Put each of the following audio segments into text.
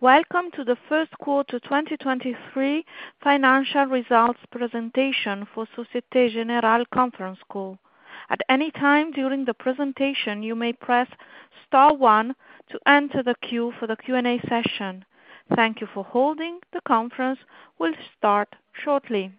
Welcome to the first quarter 2023 financial results presentation for Société Générale conference call. At any time during the presentation you may press star one to enter the queue for the Q&A session. Thank you for holding. The conference will start shortly.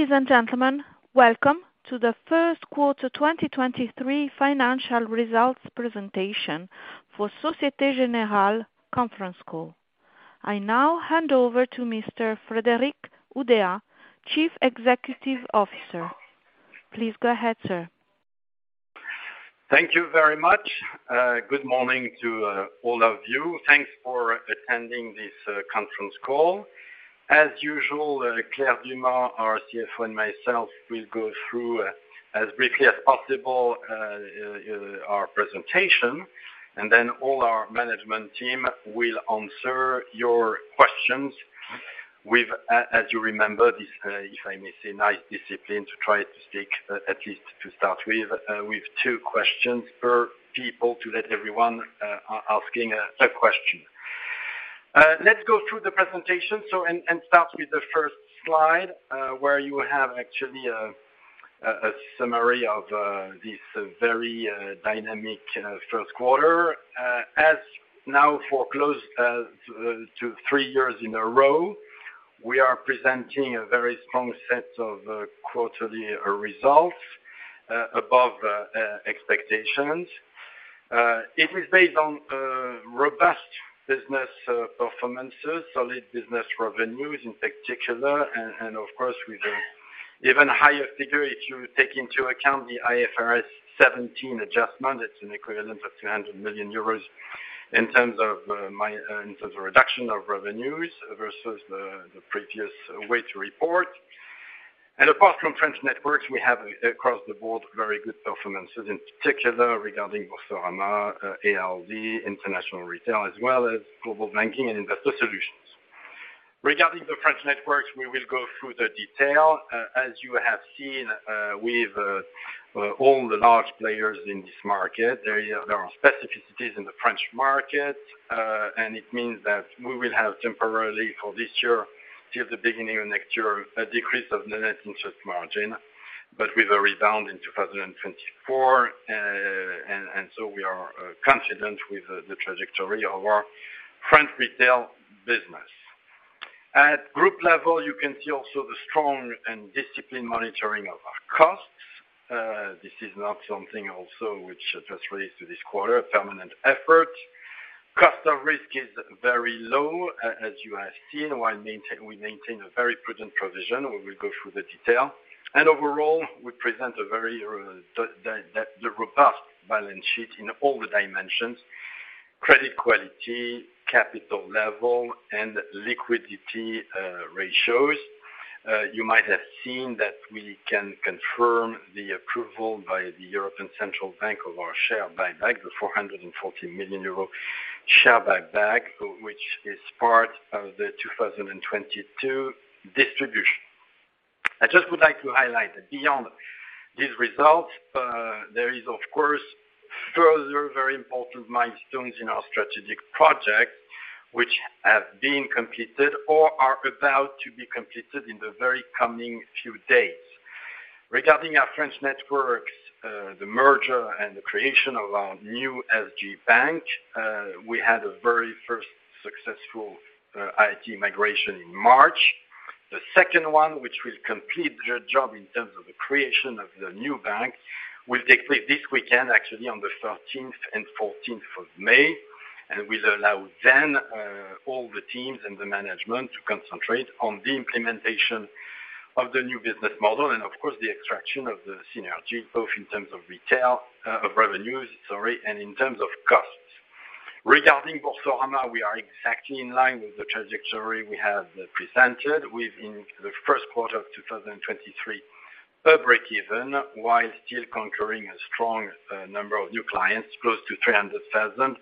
Ladies and gentlemen, welcome to the first quarter 2023 financial results presentation for Société Générale conference call. I now hand over to Mr. Frédéric Oudéa, Chief Executive Officer. Please go ahead, sir. Thank you very much. Good morning to all of you. Thanks for attending this conference call. As usual, Claire Dumas, our CFO, and myself will go through as briefly as possible, our presentation, and then all our management team will answer your questions with, as you remember this, if I may say, nice discipline to try to stick, at least to start with two questions per people to let everyone asking a question. Let's go through the presentation, so and start with the first slide, where you have actually a summary of this very dynamic first quarter. As now for close to three years in a row, we are presenting a very strong set of quarterly results above expectations. It is based on robust business performances, solid business revenues in particular, and of course with an even higher figure, if you take into account the IFRS 17 adjustment, it's an equivalent of 200 million euros in terms of in terms of reduction of revenues versus the previous way to report. Apart from French networks, we have across the board very good performances, in particular regarding Boursorama, ALD, International Retail, as well as Global Banking and Investor Solutions. Regarding the French networks, we will go through the detail. As you have seen, with all the large players in this market, there are specificities in the French market, it means that we will have temporarily for this year till the beginning of next year, a decrease of net interest margin, but with a rebound in 2024. We are confident with the trajectory of our French retail business. At group level, you can see also the strong and disciplined monitoring of our costs. This is not something also which just relates to this quarter, a permanent effort. Cost of risk is very low, as you have seen, while we maintain a very prudent provision. We will go through the detail. Overall, we present a very robust balance sheet in all the dimensions, credit quality, capital level, and liquidity ratios. you might have seen that we can confirm the approval by the European Central Bank of our share buyback, the 440 million euro share buyback, which is part of the 2022 distribution. I just would like to highlight that beyond these results, there is of course further very important milestones in our strategic project which have been completed or are about to be completed in the very coming few days. Regarding our French networks, the merger and the creation of our new SG bank, we had a very first successful IT migration in March. The second one, which will complete the job in terms of the creation of the new bank, will take place this weekend, actually on the thirteenth and fourteenth of May, and will allow then, all the teams and the management to concentrate on the implementation of the new business model, and of course, the extraction of the synergy, both in terms of retail, of revenues, sorry, and in terms of costs. Regarding Boursorama, we are exactly in line with the trajectory we have presented with in the first quarter of 2023, a break-even, while still conquering a strong number of new clients, close to 300,000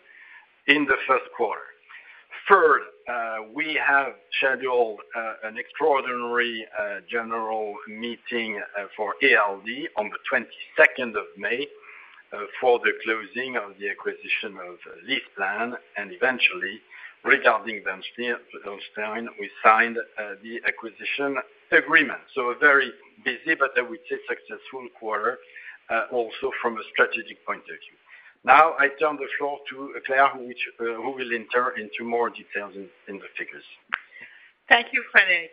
in the first quarter. We have scheduled an extraordinary general meeting for ALD on the 22nd of May for the closing of the acquisition of LeasePlan. Eventually regarding Bernstein, we signed the acquisition agreement, so a very busy but I would say successful quarter also from a strategic point of view. I turn the floor to Claire, who will enter into more details in the figures. Thank you, Frédéric.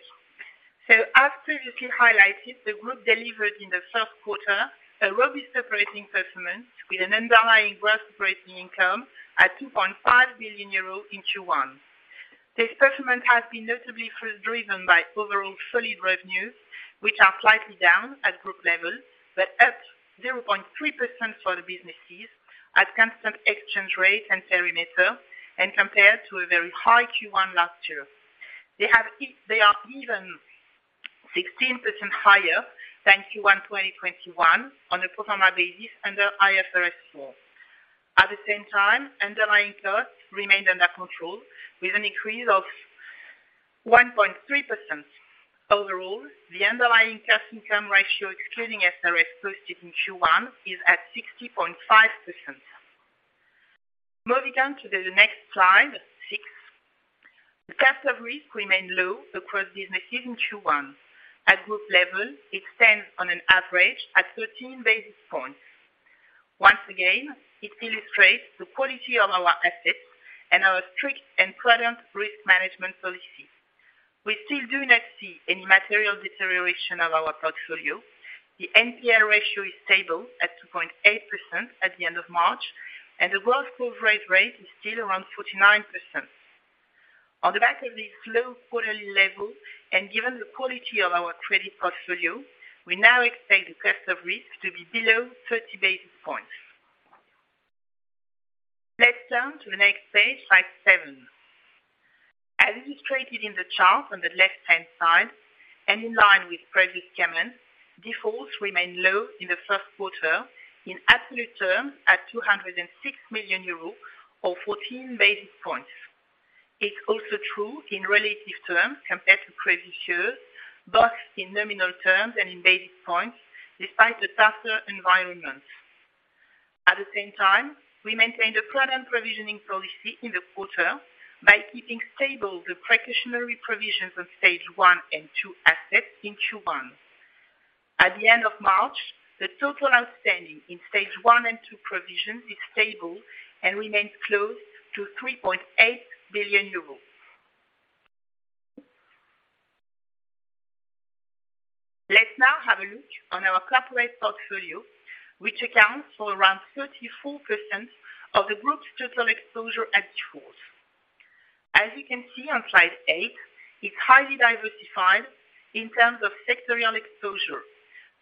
As previously highlighted, the group delivered in the first quarter a robust operating performance with an underlying group operating income at 2.5 billion euros in Q1. This performance has been notably driven by overall solid revenues, which are slightly down at group level, but up 0.3% for the businesses at constant exchange rate and perimeter and compared to a very high Q1 last year. They are even 16% higher than Q1 2021 on a pro forma basis under IFRS 4. At the same time, underlying costs remained under control with an increase of 1.3%. Overall, the underlying cost income ratio excluding SRS posted in Q1 is at 60.5%. Moving on to the next slide, 6. The cost of risk remained low across businesses in Q1. At group level, it stands on an average at 13 basis points. Once again, it illustrates the quality of our assets and our strict and prudent risk management policy. We still do not see any material deterioration of our portfolio. The NPL ratio is stable at 2.8% at the end of March, and the gross coverage rate is still around 49%. On the back of this low quarterly level and given the quality of our credit portfolio, we now expect the cost of risk to be below 30 basis points. Let's turn to the next page, slide 7. As illustrated in the chart on the left-hand side and in line with previous comments, defaults remain low in the first quarter in absolute terms at 206 million euros or 14 basis points. It's also true in relative terms compared to previous years, both in nominal terms and in basis points despite the tougher environment. At the same time, we maintained a prudent provisioning policy in the quarter by keeping stable the precautionary provisions on stage one and two assets in Q1. At the end of March, the total outstanding in stage one and two provisions is stable and remains close to 3.8 billion euros. Let's now have a look on our corporate portfolio, which accounts for around 34% of the group's total exposure at default. As you can see on slide eight, it's highly diversified in terms of sectorial exposure.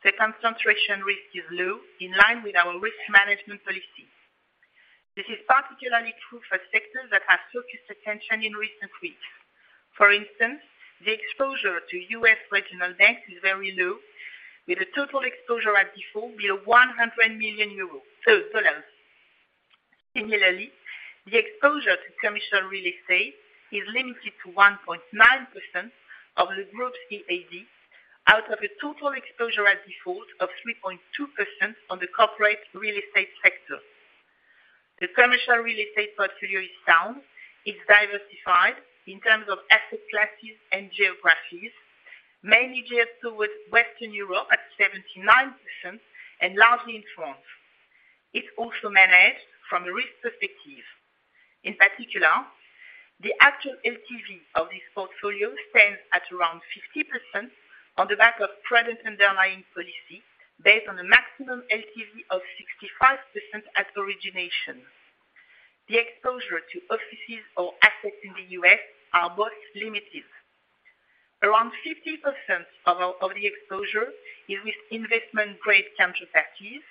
The concentration risk is low, in line with our risk management policy. This is particularly true for sectors that have focused attention in recent weeks. For instance, the exposure to U.S. regional banks is very low, with a total exposure at default below $100 million. Similarly, the exposure to commercial real estate is limited to 1.9% of the group's EAD, out of a total exposure at default of 3.2% on the corporate real estate sector. The commercial real estate portfolio is sound, it's diversified in terms of asset classes and geographies, mainly geared towards Western Europe at 79% and largely in France. It's also managed from a risk perspective. In particular, the actual LTV of this portfolio stands at around 50% on the back of prudent underlying policy based on a maximum LTV of 65% at origination. The exposure to offices or assets in the U.S. are both limited. Around 50% of the exposure is with investment-grade counterparties.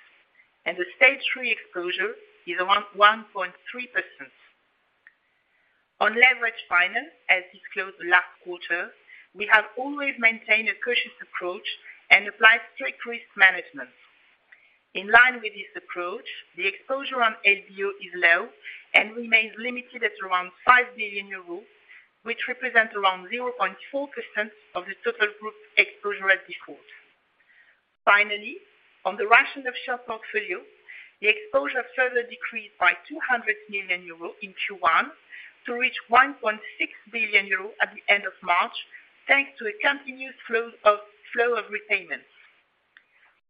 The stage three exposure is around 1.3%. On leveraged finance, as disclosed last quarter, we have always maintained a cautious approach and applied strict risk management. In line with this approach, the exposure on LBO is low and remains limited at around 5 billion euros, which represents around 0.4% of the total group exposure at default. Finally, on the rationalized portfolio, the exposure further decreased by 200 million euros in Q1 to reach 1.6 billion euros at the end of March, thanks to a continued flow of repayments.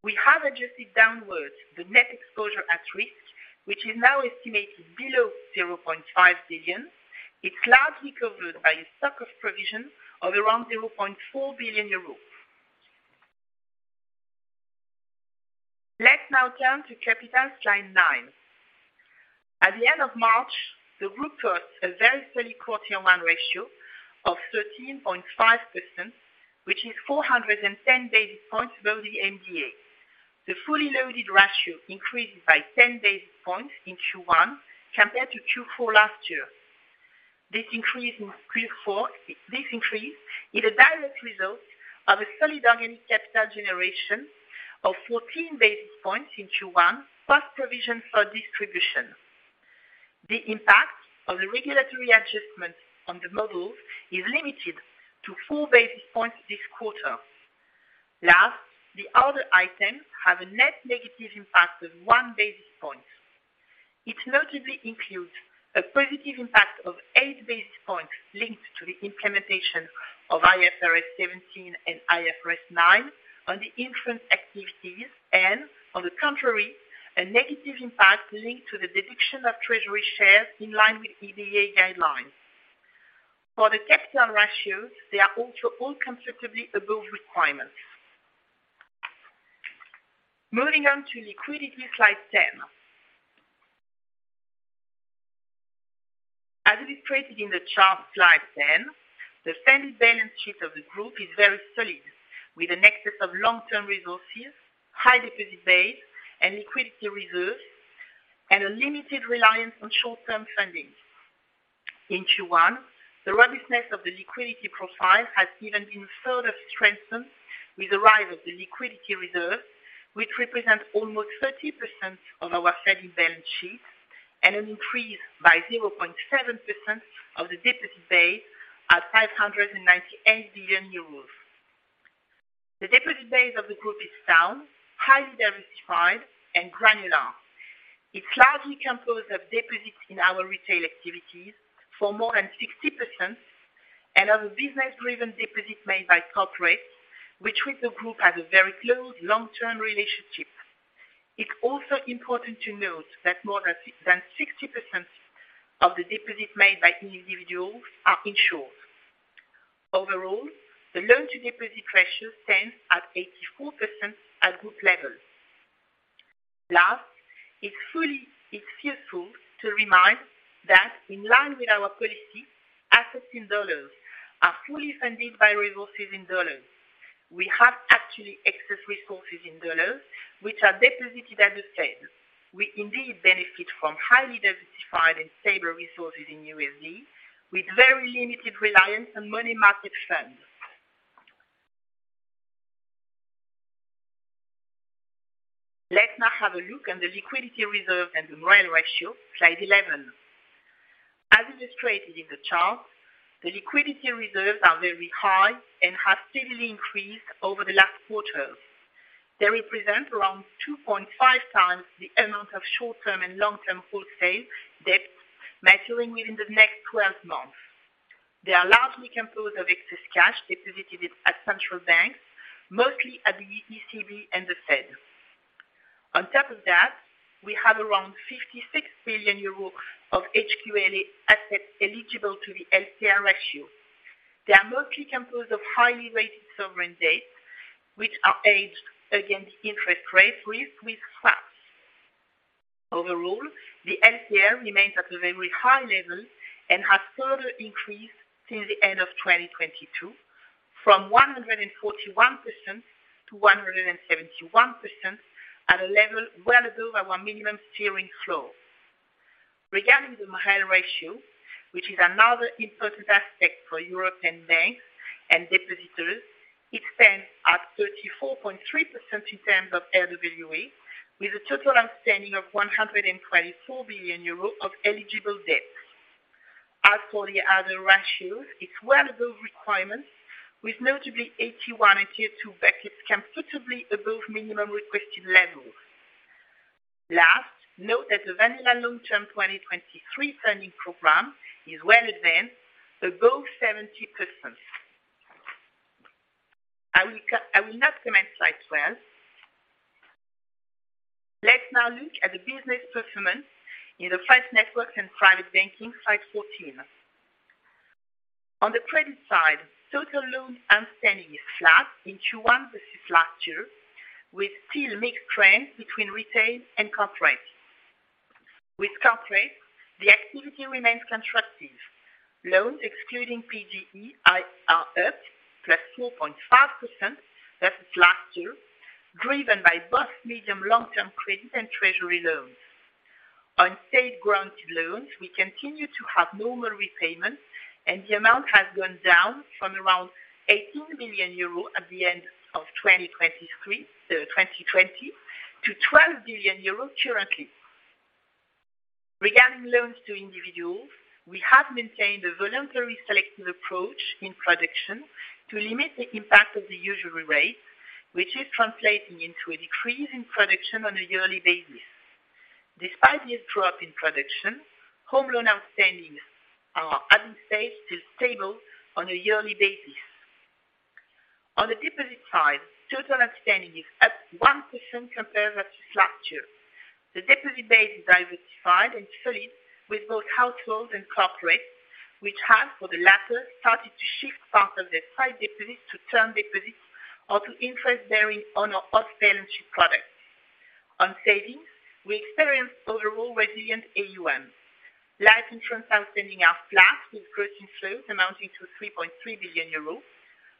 We have adjusted downwards the net exposure at risk, which is now estimated below 0.5 billion. It's largely covered by a stock of provision of around 0.4 billion euros. Let's now turn to capital, slide 9. At the end of March, the group posted a very solid quarter on one ratio of 13.5%, which is 410 basis points above the MDA. The fully loaded ratio increased by 10 basis points in Q1 compared to Q4 last year. This increase is a direct result of a solid organic capital generation of 14 basis points in Q1, post provision for distribution. The impact of the regulatory adjustments on the models is limited to 4 basis points this quarter. Last, the other items have a net negative impact of 1 basis point. It notably includes a positive impact of 8 basis points linked to the implementation of IFRS 17 and IFRS 9 on the insurance activities, and on the contrary, a negative impact linked to the deduction of treasury shares in line with EBA guidelines. For the capital ratios, they are also all considerably above requirements. Moving on to liquidity, slide 10. As illustrated in the chart, slide 10, the standard balance sheet of the group is very solid, with an excess of long-term resources, high deposit base and liquidity reserves, and a limited reliance on short-term funding. In Q1, the robustness of the liquidity profile has even been further strengthened with the arrival of the liquidity reserve, which represents almost 30% of our steady balance sheet and an increase by 0.7% of the deposit base at 598 billion euros. The deposit base of the group is sound, highly diversified, and granular. It's largely composed of deposits in our retail activities for more than 60% and other business-driven deposits made by corporate, which with the group has a very close long-term relationship. It's also important to note that more than 60% of the deposits made by individuals are insured. Overall, the loan to deposit ratio stands at 84% at group levels. Last, it's useful to remind that in line with our policy, assets in dollars are fully funded by resources in dollars. We have actually excess resources in dollars, which are deposited at the Fed. We indeed benefit from highly diversified and stable resources in USD, with very limited reliance on money market funds. Let's now have a look at the liquidity reserve and the MREL ratio, slide 11. As illustrated in the chart, the liquidity reserves are very high and have steadily increased over the last quarters. They represent around 2.5x the amount of short-term and long-term wholesale debt maturing within the next 12 months. They are largely composed of excess cash deposited at central banks, mostly at the ECB and the Fed. On top of that, we have around 56 billion euros of HQLA assets eligible to the LCR ratio. They are mostly composed of highly rated sovereign debt, which are aged against interest rate risk with swaps. Overall, the LCR remains at a very high level and has further increased since the end of 2022 from 141% to 171% at a level well above our minimum steering flow. Regarding the MREL ratio, which is another important aspect for European banks and depositors, it stands at 34.3% in terms of RWA, with a total outstanding of 124 billion euros of eligible debt. As for the other ratios, it's well above requirements, with notably AT1 and Tier 2 buckets comfortably above minimum requested levels. Last, note that the vanilla long-term 2023 funding program is well advanced above 70%. I will not comment slide 12. Let's now look at the business performance in the French network and private banking, slide 14. On the credit side, total loans outstanding is flat in Q1 versus last year, with still mixed trends between retail and corporate. With corporate, the activity remains constructive. Loans excluding PGE are up +2.5% versus last year, driven by both medium long-term credit and treasury loans. On state-granted loans, we continue to have normal repayments, and the amount has gone down from around 18 billion euros at the end of 2020 to 12 billion euros currently. Regarding loans to individuals, we have maintained a voluntary selective approach in production to limit the impact of the usury rate, which is translating into a decrease in production on a yearly basis. Despite this drop in production, home loan outstandings are as in stage still stable on a yearly basis. On the deposit side, total outstanding is up 1% compared versus last year. The deposit base is diversified and solid with both households and corporate, which have, for the latter, started to shift part of their sight deposits to term deposits or to interest-bearing on our off-balance-sheet products. On savings, we experienced overall resilient AUM. Life insurance outstanding are flat, with gross inflows amounting to 3.3 billion euros.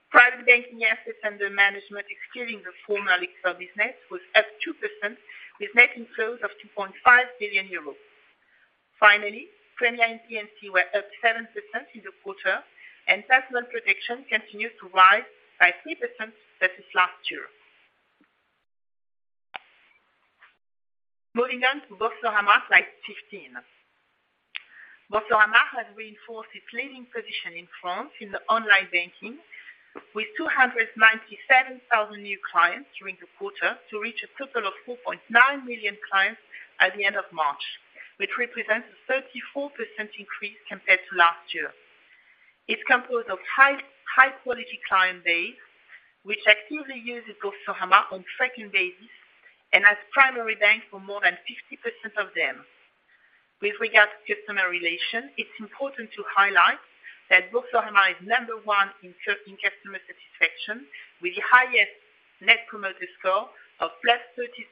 Private banking assets under management, excluding the former Lyxor business, was up 2% with net inflows of 2.5 billion euros. Premium P&C were up 7% in the quarter, and personal protection continued to rise by 3% versus last year. Moving on to Boursorama, slide 15. Boursorama has reinforced its leading position in France in the online banking with 297,000 new clients during the quarter to reach a total of 4.9 million clients at the end of March, which represents a 34% increase compared to last year. It's composed of high quality client base, which actively uses Boursorama on tracking basis and as primary bank for more than 50% of them. With regard to customer relation, it's important to highlight that Boursorama is number one in customer satisfaction, with the highest net promoter score of plus 36.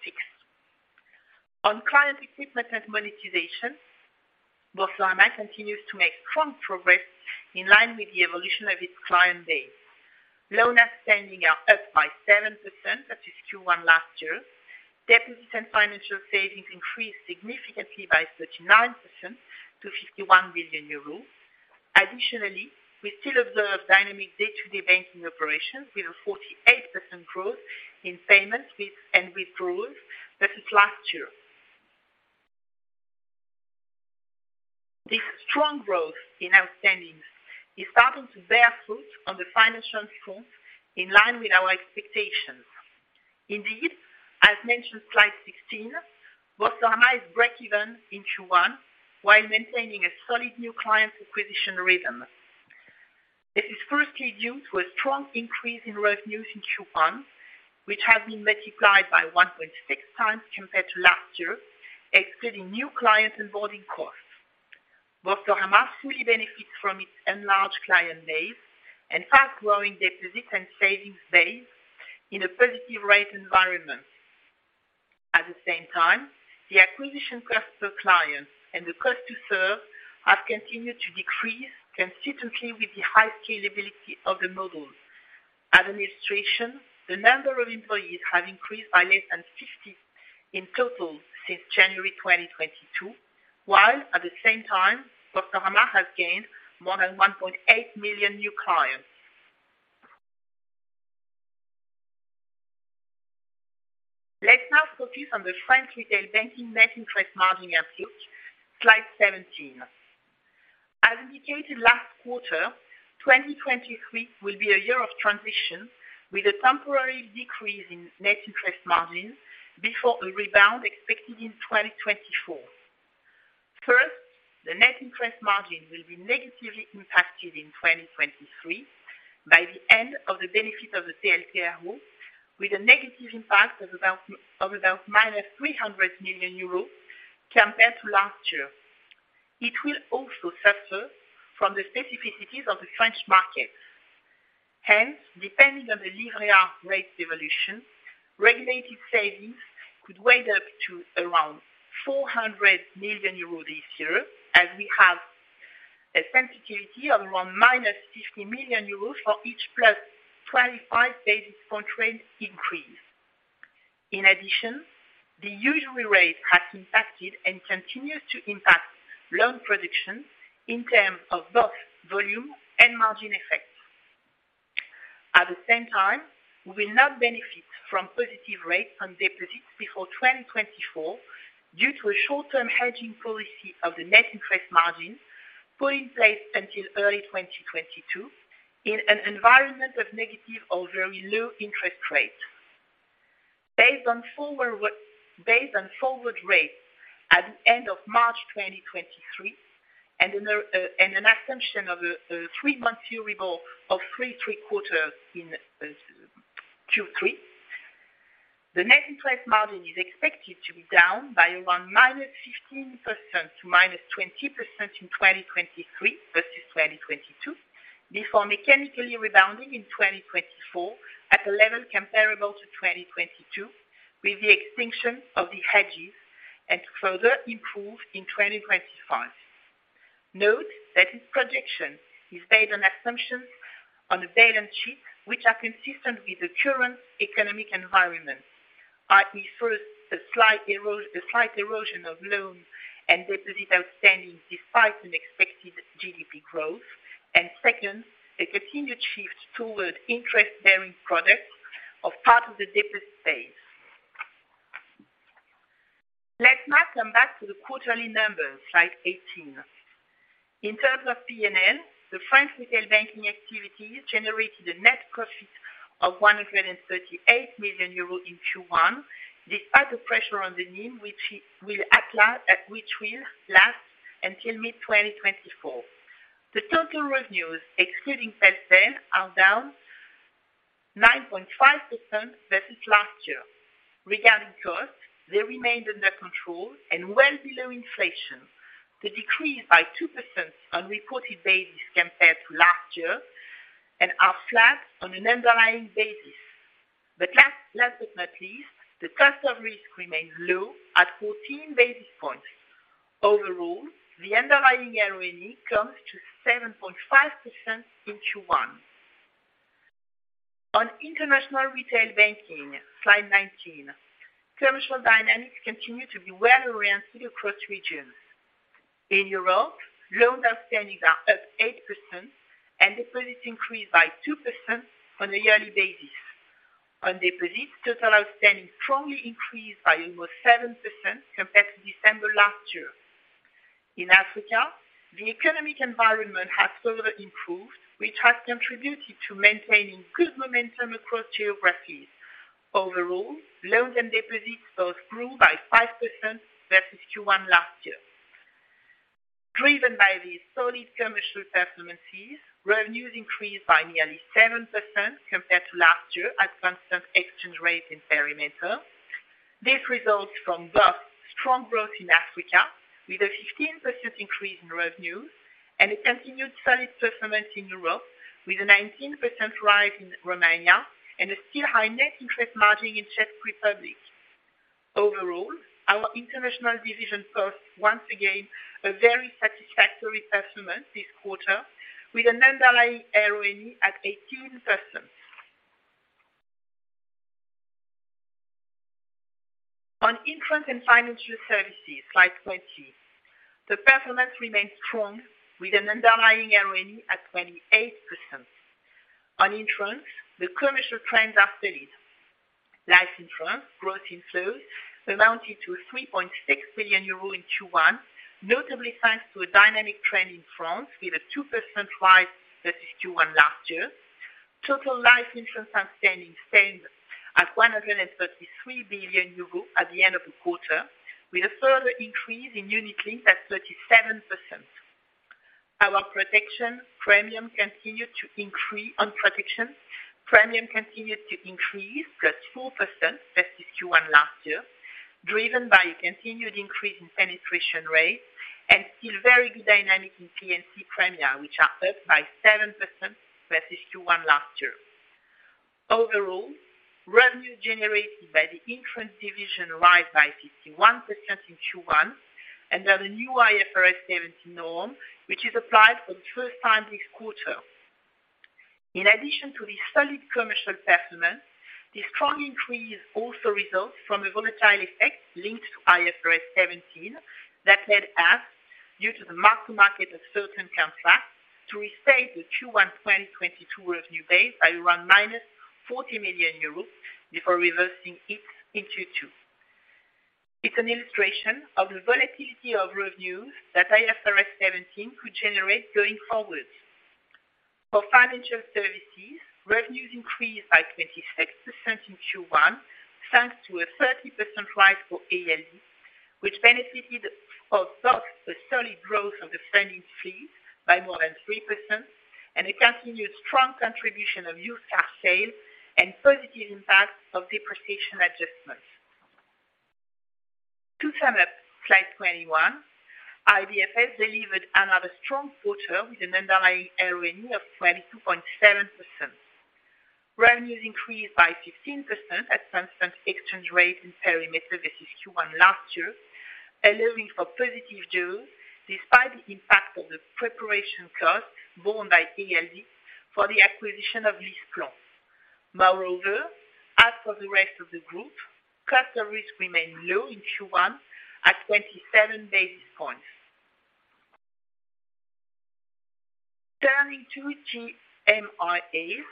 On client equipment and monetization, Boursorama continues to make strong progress in line with the evolution of its client base. Loan outstanding are up by 7% versus Q1 last year. Deposits and financial savings increased significantly by 39% to 51 billion euros. Additionally, we still observe dynamic day-to-day banking operations with a 48% growth in payments and withdrawals versus last year. This strong growth in outstandings is starting to bear fruit on the financial strength in line with our expectations. Indeed, as mentioned, slide 16, Boursorama is break-even in Q1 while maintaining a solid new client acquisition rhythm. This is firstly due to a strong increase in revenues in Q1, which has been multiplied by 1.6x compared to last year, excluding new client onboarding costs. Boursorama fully benefits from its enlarged client base and fast-growing deposits and savings base in a positive rate environment. At the same time, the acquisition cost per client and the cost to serve have continued to decrease consistently with the high scalability of the models. As an illustration, the number of employees have increased by less than 50 in total since January 2022, while at the same time Boursorama has gained more than 1.8 million new clients. Let's now focus on the French retail banking net interest margin outlook, slide 17. As indicated last quarter, 2023 will be a year of transition with a temporary decrease in net interest margin before a rebound expected in 2024. The net interest margin will be negatively impacted in 2023 by the end of the benefit of the TLTRO, with a negative impact of about minus 300 million euros compared to last year. It will also suffer from the specificities of the French market. Depending on the Livret A rate evolution, regulated savings could weigh up to around 400 million euros this year, as we have a sensitivity of around minus 50 million euros for each +25 basis point rate increase. The usual rate has impacted and continues to impact loan predictions in terms of both volume and margin effects. At the same time, we will not benefit from positive rates on deposits before 2024 due to a short-term hedging policy of the net interest margin put in place until early 2022 in an environment of negative or very low interest rates. Based on forward rates at the end of March 2023 and an assumption of a 3-month EUR of 3.75% in Q3, the net interest margin is expected to be down by around -15% to -20% in 2023 versus 2022, before mechanically rebounding in 2024 at a level comparable to 2022 with the extinction of the hedges and further improve in 2025. Note that this projection is based on assumptions on the balance sheet, which are consistent with the current economic environment, we saw a slight erosion of loans and deposit outstanding despite an expected GDP growth. Second, a continued shift toward interest-bearing products of part of the deposit base. Let's now come back to the quarterly numbers, slide 18. In terms of PNL, the French retail banking activities generated a net profit of 138 million euros in Q1, despite the pressure on the NIM, which will last until mid-2024. The total revenues, excluding Fair Value, are down 9.5% versus last year. Regarding costs, they remained under control and well below inflation. They decreased by 2% on reported basis compared to last year and are flat on an underlying basis. Last but not least, the cost of risk remains low at 14 basis points. Overall, the underlying ROE comes to 7.5% in Q1. On international retail banking, slide 19. Commercial dynamics continue to be well oriented across regions. In Europe, loan outstandings are up 8%, and deposits increased by 2% on a yearly basis. On deposits, total outstanding strongly increased by almost 7% compared to December last year. In Africa, the economic environment has further improved, which has contributed to maintaining good momentum across geographies. Overall, loans and deposits both grew by 5% versus Q1 last year. Driven by these solid commercial performances, revenues increased by nearly 7% compared to last year at constant exchange rate and perimeter. This results from both strong growth in Africa with a 15% increase in revenues and a continued solid performance in Europe with a 19% rise in Romania and a still high net interest margin in Czech Republic. Overall, our international division posts once again a very satisfactory performance this quarter with an underlying ROE at 18%. On insurance and financial services, slide 20, the performance remains strong with an underlying ROE at 28%. On insurance, the commercial trends are steady. Life insurance gross inflows amounted to 3.6 billion euro in Q1, notably thanks to a dynamic trend in France with a 2% rise versus Q1 last year. Total life insurance outstanding stands at 133 billion euros at the end of the quarter, with a further increase in unit links at 37%. Our protection premium continued to increase, plus 4% versus Q1 last year, driven by a continued increase in penetration rates and still very good dynamic in P&C premium, which are up by 7% versus Q1 last year. Overall, revenue generated by the insurance division rise by 51% in Q1 under the new IFRS 17 norm, which is applied for the first time this quarter. In addition to the solid commercial performance, the strong increase also results from a volatile effect linked to IFRS 17 that led us, due to the mark-to-market of certain contracts, to restate the Q1 2022 revenue base by around -40 million euros before reversing it in Q2. It's an illustration of the volatility of revenues that IFRS 17 could generate going forward. For financial services, revenues increased by 26% in Q1, thanks to a 30% rise for ALD, which benefited from both the solid growth of the funding fees by more than 3% and a continued strong contribution of used car sales and positive impact of depreciation adjustments. To sum up, slide 21, IBFS delivered another strong quarter with an underlying ROE of 22.7%. Revenues increased by 15% at constant exchange rate and perimeter versus Q1 last year, allowing for positive growth despite the impact of the preparation costs borne by ALD for the acquisition of LeasePlan. As for the rest of the group, cost of risk remained low in Q1 at 27 basis points. Turning to GBIS,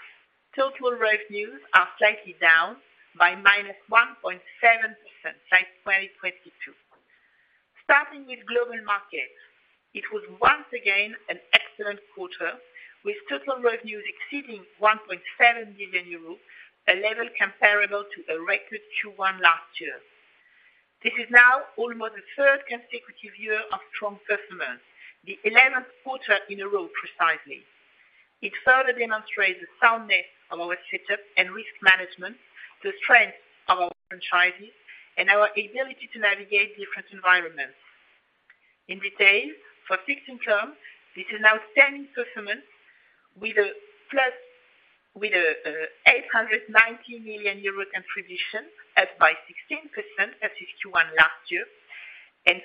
total revenues are slightly down by -1.7%, slide 22. Starting with global markets, it was once again an excellent quarter with total revenues exceeding 1.7 billion euros, a level comparable to a record Q1 last year. This is now almost a third consecutive year of strong performance, the eleventh quarter in a row, precisely. It further demonstrates the soundness of our setup and risk management, the strength of our franchises, and our ability to navigate different environments. In detail, for fixed income, this is an outstanding performance with a 890 million euro contribution, up by 16% versus Q1 last year, and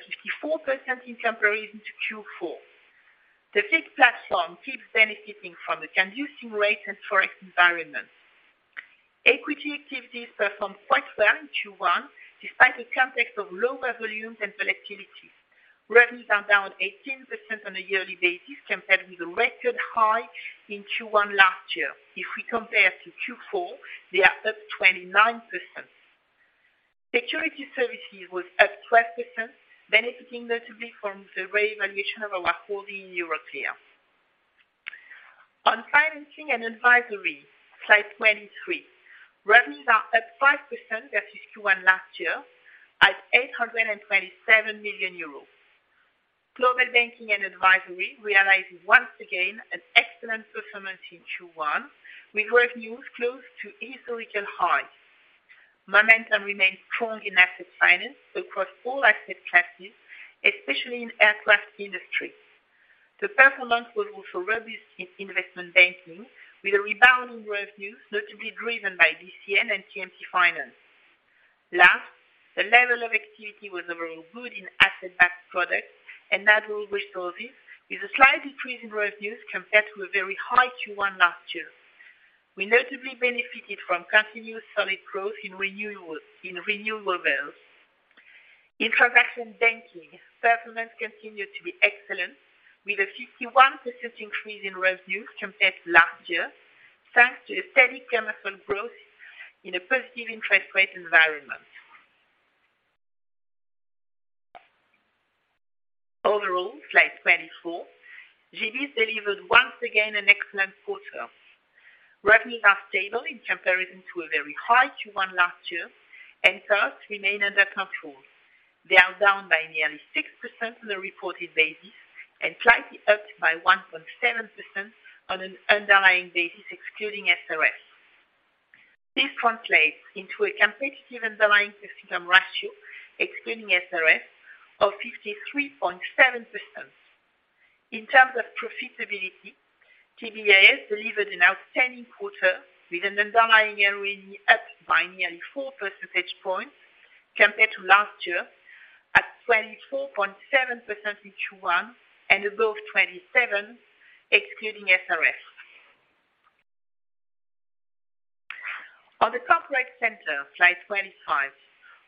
54% in comparison to Q4. The fixed platform keeps benefiting from the conducive rate and Forex environment. Equity activities performed quite well in Q1, despite a context of lower volumes and volatility. Revenues are down 18% on a yearly basis compared with a record high in Q1 last year. If we compare to Q4, they are up 29%. Security services was up 12%, benefiting notably from the revaluation of our holding in Euroclear. On financing and advisory, slide 23, revenues are up 5% versus Q1 last year at 827 million euros. Global Banking & Advisory realized once again an excellent performance in Q1, with revenues close to historical highs. Momentum remained strong in asset finance across all asset classes, especially in aircraft industry. The performance was also robust in investment banking, with a rebound in revenues notably driven by DCM and M&A Finance. The level of activity was overall good in asset-backed products and natural resources, with a slight decrease in revenues compared to a very high Q1 last year. We notably benefited from continuous solid growth in renewal, in renewable values. Investment banking performance continued to be excellent, with a 51% increase in revenues compared to last year, thanks to a steady commercial growth in a positive interest rate environment. Overall, slide 24, GBIS delivered once again an excellent quarter. Revenues are stable in comparison to a very high Q1 last year. Costs remain under control. They are down by nearly 6% on a reported basis and slightly up by 1.7% on an underlying basis excluding SRS. This translates into a competitive underlying pre-income ratio excluding SRS of 53.7%. In terms of profitability, GBIS delivered an outstanding quarter with an underlying ROE up by nearly four percentage points compared to last year at 24.7% in Q1 and above 27 excluding SRS. On the corporate center, slide 25,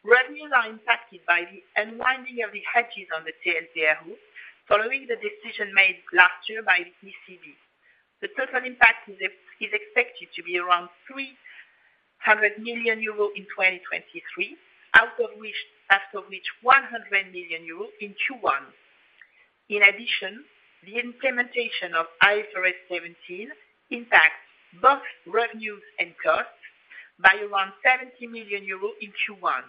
revenues are impacted by the unwinding of the hedges on the TLTRO following the decision made last year by the ECB. The total impact is expected to be around 300 million euros in 2023, out of which 100 million euros in Q1. In addition, the implementation of IFRS 17 impacts both revenues and costs by around 70 million euros in Q1.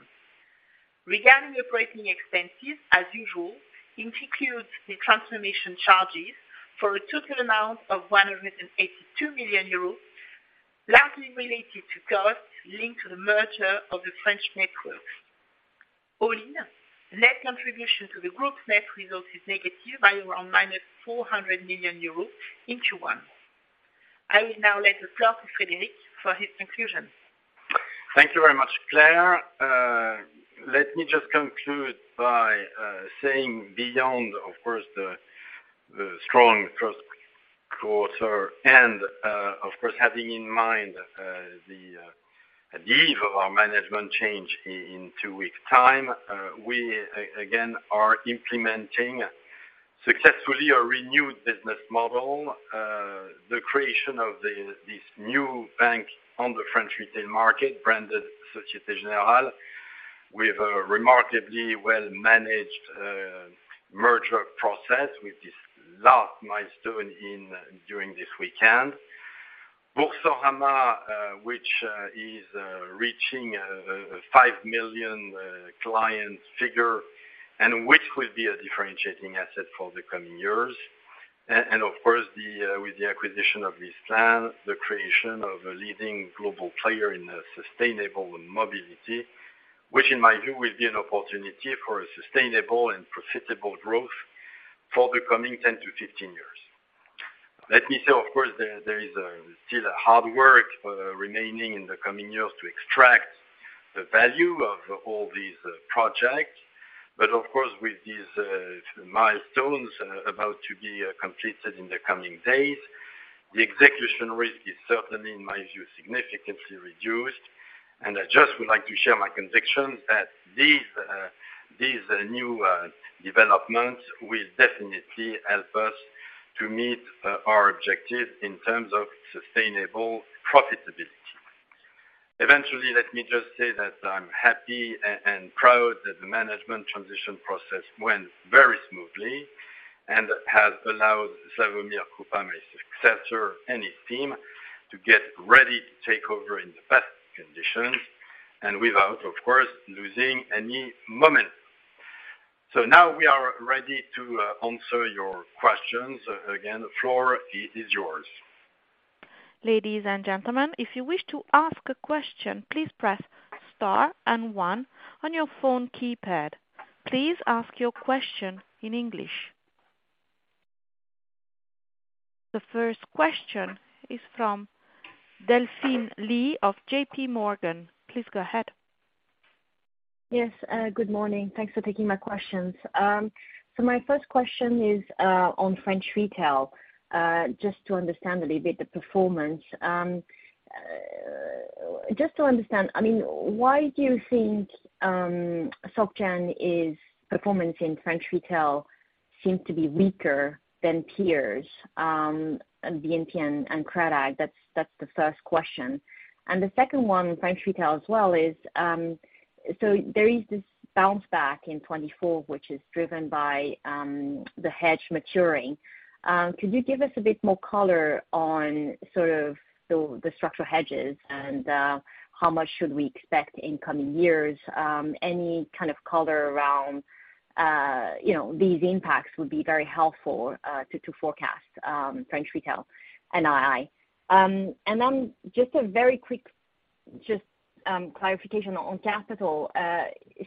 Regarding operating expenses, as usual, includes the transformation charges for a total amount of 182 million euros, largely related to costs linked to the merger of the French networks. All in, net contribution to the group's net result is negative by around -400 million euros in Q1. I will now let the floor to Frédéric for his conclusion. Thank you very much, Claire. Let me just conclude by saying beyond, of course, the strong first quarter and, of course, having in mind the eve of our management change in two weeks' time, we again are implementing successfully a renewed business model. The creation of this new bank on the French retail market, branded Société Générale, with a remarkably well-managed merger process with this last milestone during this weekend. Boursorama, which is reaching 5 million client figure and which will be a differentiating asset for the coming years. Of course, with the acquisition of this plan, the creation of a leading global player in sustainable mobility, which in my view will be an opportunity for a sustainable and profitable growth for the coming 10 to 15 years. Let me say, of course, there is still a hard work remaining in the coming years to extract the value of all these projects. Of course, with these milestones about to be completed in the coming days, the execution risk is certainly, in my view, significantly reduced. I just would like to share my conviction that these new developments will definitely help us to meet our objective in terms of sustainable profitability. Eventually, let me just say that I'm happy and proud that the management transition process went very smoothly and has allowed Sławomir Krupa, my successor, and his team to get ready to take over in the best conditions and without, of course, losing any momentum. Now we are ready to answer your questions. Again, the floor is yours. Ladies and gentlemen, if you wish to ask a question, please press star and one on your phone keypad. Please ask your question in English. The first question is from Delphine Lee of JPMorgan. Please go ahead. Yes, good morning. Thanks for taking my questions. My first question is on French retail, just to understand a little bit the performance. Just to understand, I mean, why do you think SocGen's performance in French retail seems to be weaker than peers, BNP and Crédit Agricole? That's the first question. The second one, French retail as well, is there is this bounce back in 2024, which is driven by the hedge maturing. Could you give us a bit more color on sort of the structural hedges and how much should we expect in coming years? Any kind of color around, you know, these impacts would be very helpful to forecast French retail and I. Just a very quick just clarification on capital.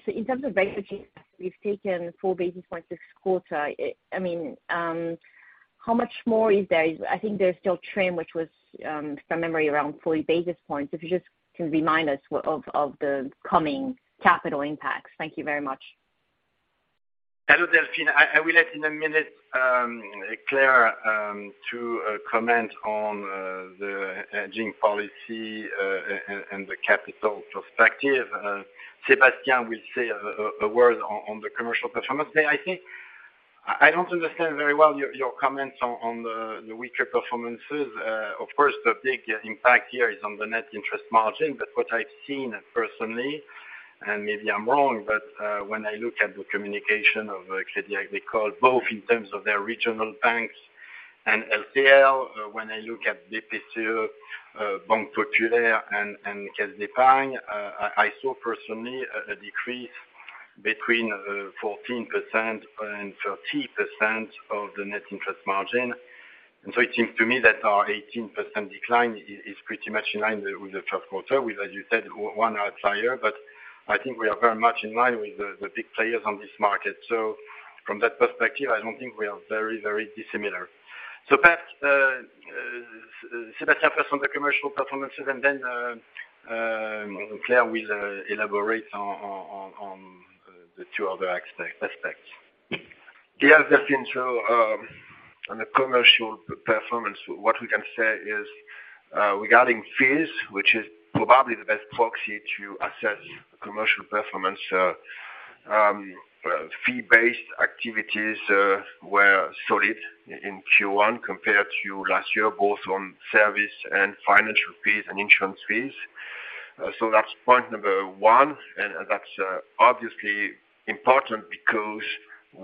In terms of regulatory, we've taken 4 basis points this quarter. I mean, how much more is there? I think there's still TRIM, which was, from memory around 40 basis points. If you just can remind us of the coming capital impacts. Thank you very much. Hello, Delphine. I will let in a minute Claire to comment on the hedging policy and the capital perspective. Sébastien will say a word on the commercial performance. I think I don't understand very well your comments on the weaker performances. Of course, the big impact here is on the net interest margin. What I've seen personally, and maybe I'm wrong, but when I look at the communication of Crédit Agricole, both in terms of their regional banks and LCL, when I look at BPCE, Banque Populaire and Caisse d'Épargne, I saw personally a decrease between 14% and 30% of the net interest margin. It seems to me that our 18% decline is pretty much in line with the first quarter, with, as you said, one outlier, but I think we are very much in line with the big players on this market. From that perspective, I don't think we are very, very dissimilar. Perhaps, Sébastien first on the commercial performances, and then, Claire will elaborate on the two other aspects. Yeah, Delphine. On the commercial performance, what we can say is regarding fees, which is probably the best proxy to assess commercial performance, fee-based activities were solid in Q1 compared to last year, both on service and financial fees and insurance fees. That's point number 1, and that's obviously important because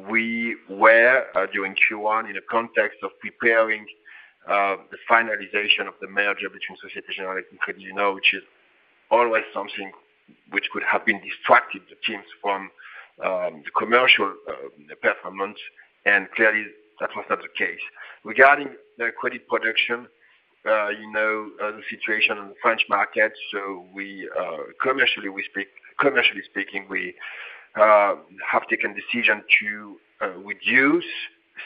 we were during Q1 in a context of preparing the finalization of the merger between Société Générale and Crédit du Nord, which is always something which could have been distracted the teams from the commercial performance, and clearly that was not the case. Regarding the credit production, you know, the situation on the French market, we commercially speaking, we have taken decision to reduce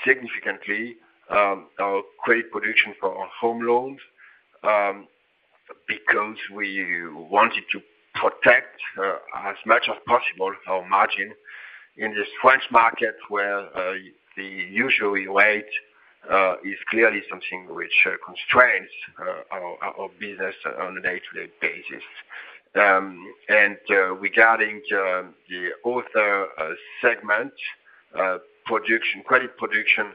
significantly our credit production for our home loans because we wanted to protect as much as possible our margin in this French market where the usual rate is clearly something which constrains our business on a day-to-day basis. Regarding the other segment production, credit production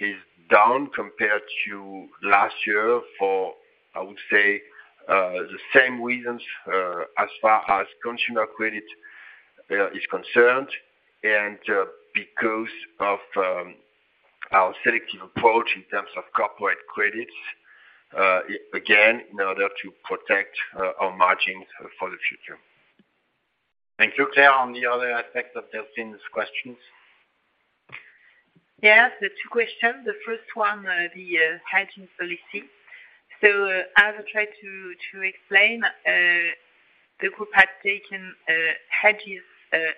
is down compared to last year for, I would say, the same reasons as far as consumer credit is concerned and because of our selective approach in terms of corporate credits again, in order to protect our margins for the future. Thank you. Claire, on the other aspects of Delphine's questions. Yes, the two questions. The first one, the hedging policy. As I tried to explain, the group had taken hedges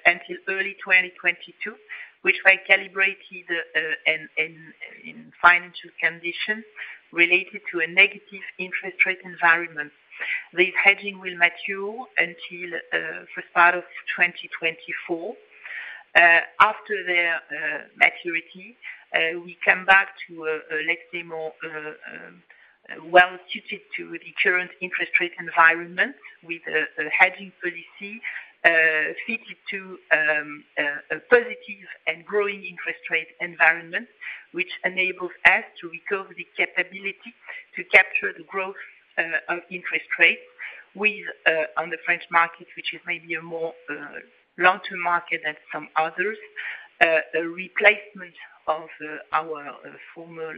until early 2022, which were calibrated in financial conditions related to a negative interest rate environment. This hedging will mature until first part of 2024. After their maturity, we come back to a, let's say more, well suited to the current interest rate environment with a hedging policy fitted to a positive and growing interest rate environment, which enables us to recover the capability to capture the growth of interest rates with on the French market, which is maybe a more long-term market than some others. A replacement of our former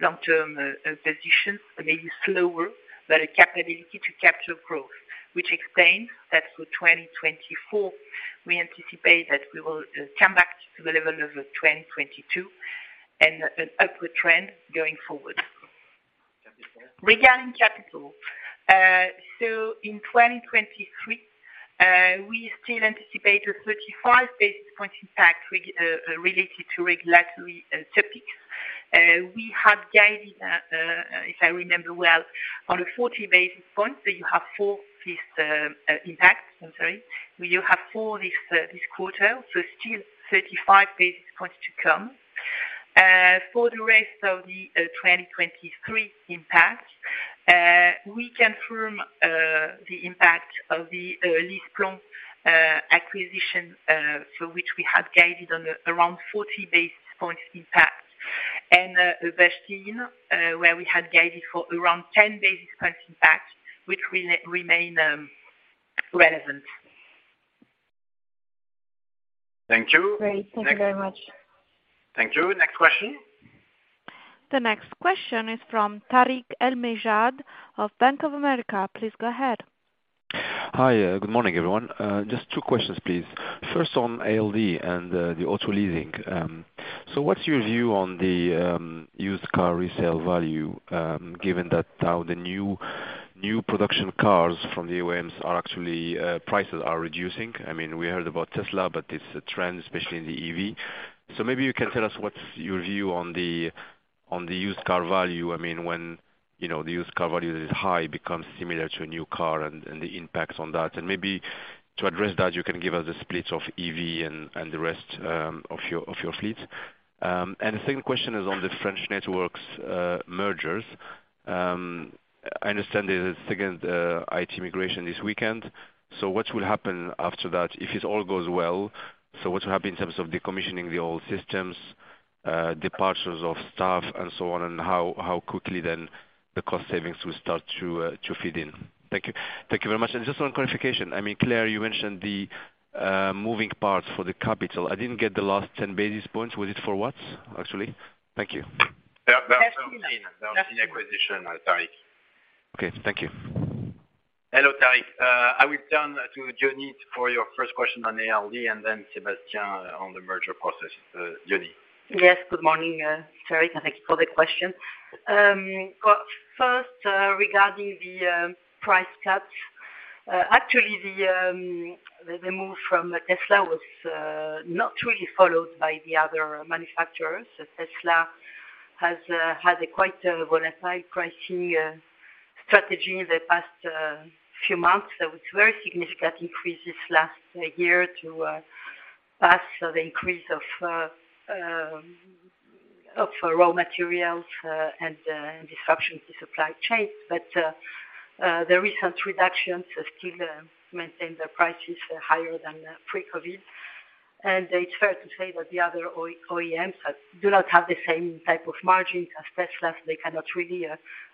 long-term position, maybe slower, but a capability to capture growth, which explains that for 2024, we anticipate that we will come back to the level of 2022 and an upward trend going forward. Capital.Regarding capital. So in 2023, we still anticipate a 35 basis point impact related to regulatory topics. We had guided, if I remember well, on a 40 basis point, so you have 4 fees impact. I'm sorry. You have 4 this quarter, so still 35 basis points to come. For the rest of the 2023 impact, we confirm the impact of the LeasePlan acquisition, for which we had guided on around 40 basis points impact. Sébastien, where we had guided for around 10 basis point impact, which remain relevant Thank you. Great. Thank you very much. Thank you. Next question. The next question is from Tarik El-Mejjad of Bank of America. Please go ahead. Hi. Good morning, everyone. Just 2 questions, please. First on ALD and the auto leasing. What's your view on the used car resale value, given that now the new production cars from the OEMs are actually prices are reducing? I mean, we heard about Tesla, it's a trend, especially in the EV. Maybe you can tell us what's your view on the used car value. I mean, when, you know, the used car value is high, becomes similar to a new car and the impacts on that. Maybe to address that, you can give us a split of EV and the rest of your fleet. The 2nd question is on the French networks mergers. I understand there's a 2nd IT migration this weekend. What will happen after that if it all goes well? What will happen in terms of decommissioning the old systems, departures of staff and so on, and how quickly then the cost savings will start to feed in? Thank you. Thank you very much. Just one clarification. I mean Claire, you mentioned the moving parts for the capital. I didn't get the last 10 basis points. Was it for what actually? Thank you. Bernstein acquisition, Tarik. Okay. Thank you. Hello, Tarik. I will turn to Jonida for your first question on ALD, and then Sébastien on the merger process. Jonida. Yes, good morning, Tariq, thank you for the question. First, regarding the price cut, actually the move from Tesla was not really followed by the other manufacturers. Tesla has had a quite a volatile pricing strategy in the past few months. There was very significant increases last year to pass the increase of raw materials and disruptions to supply chain. The recent reductions still maintain the prices higher than pre-COVID. It's fair to say that the other OEM do not have the same type of margins as Tesla. They cannot really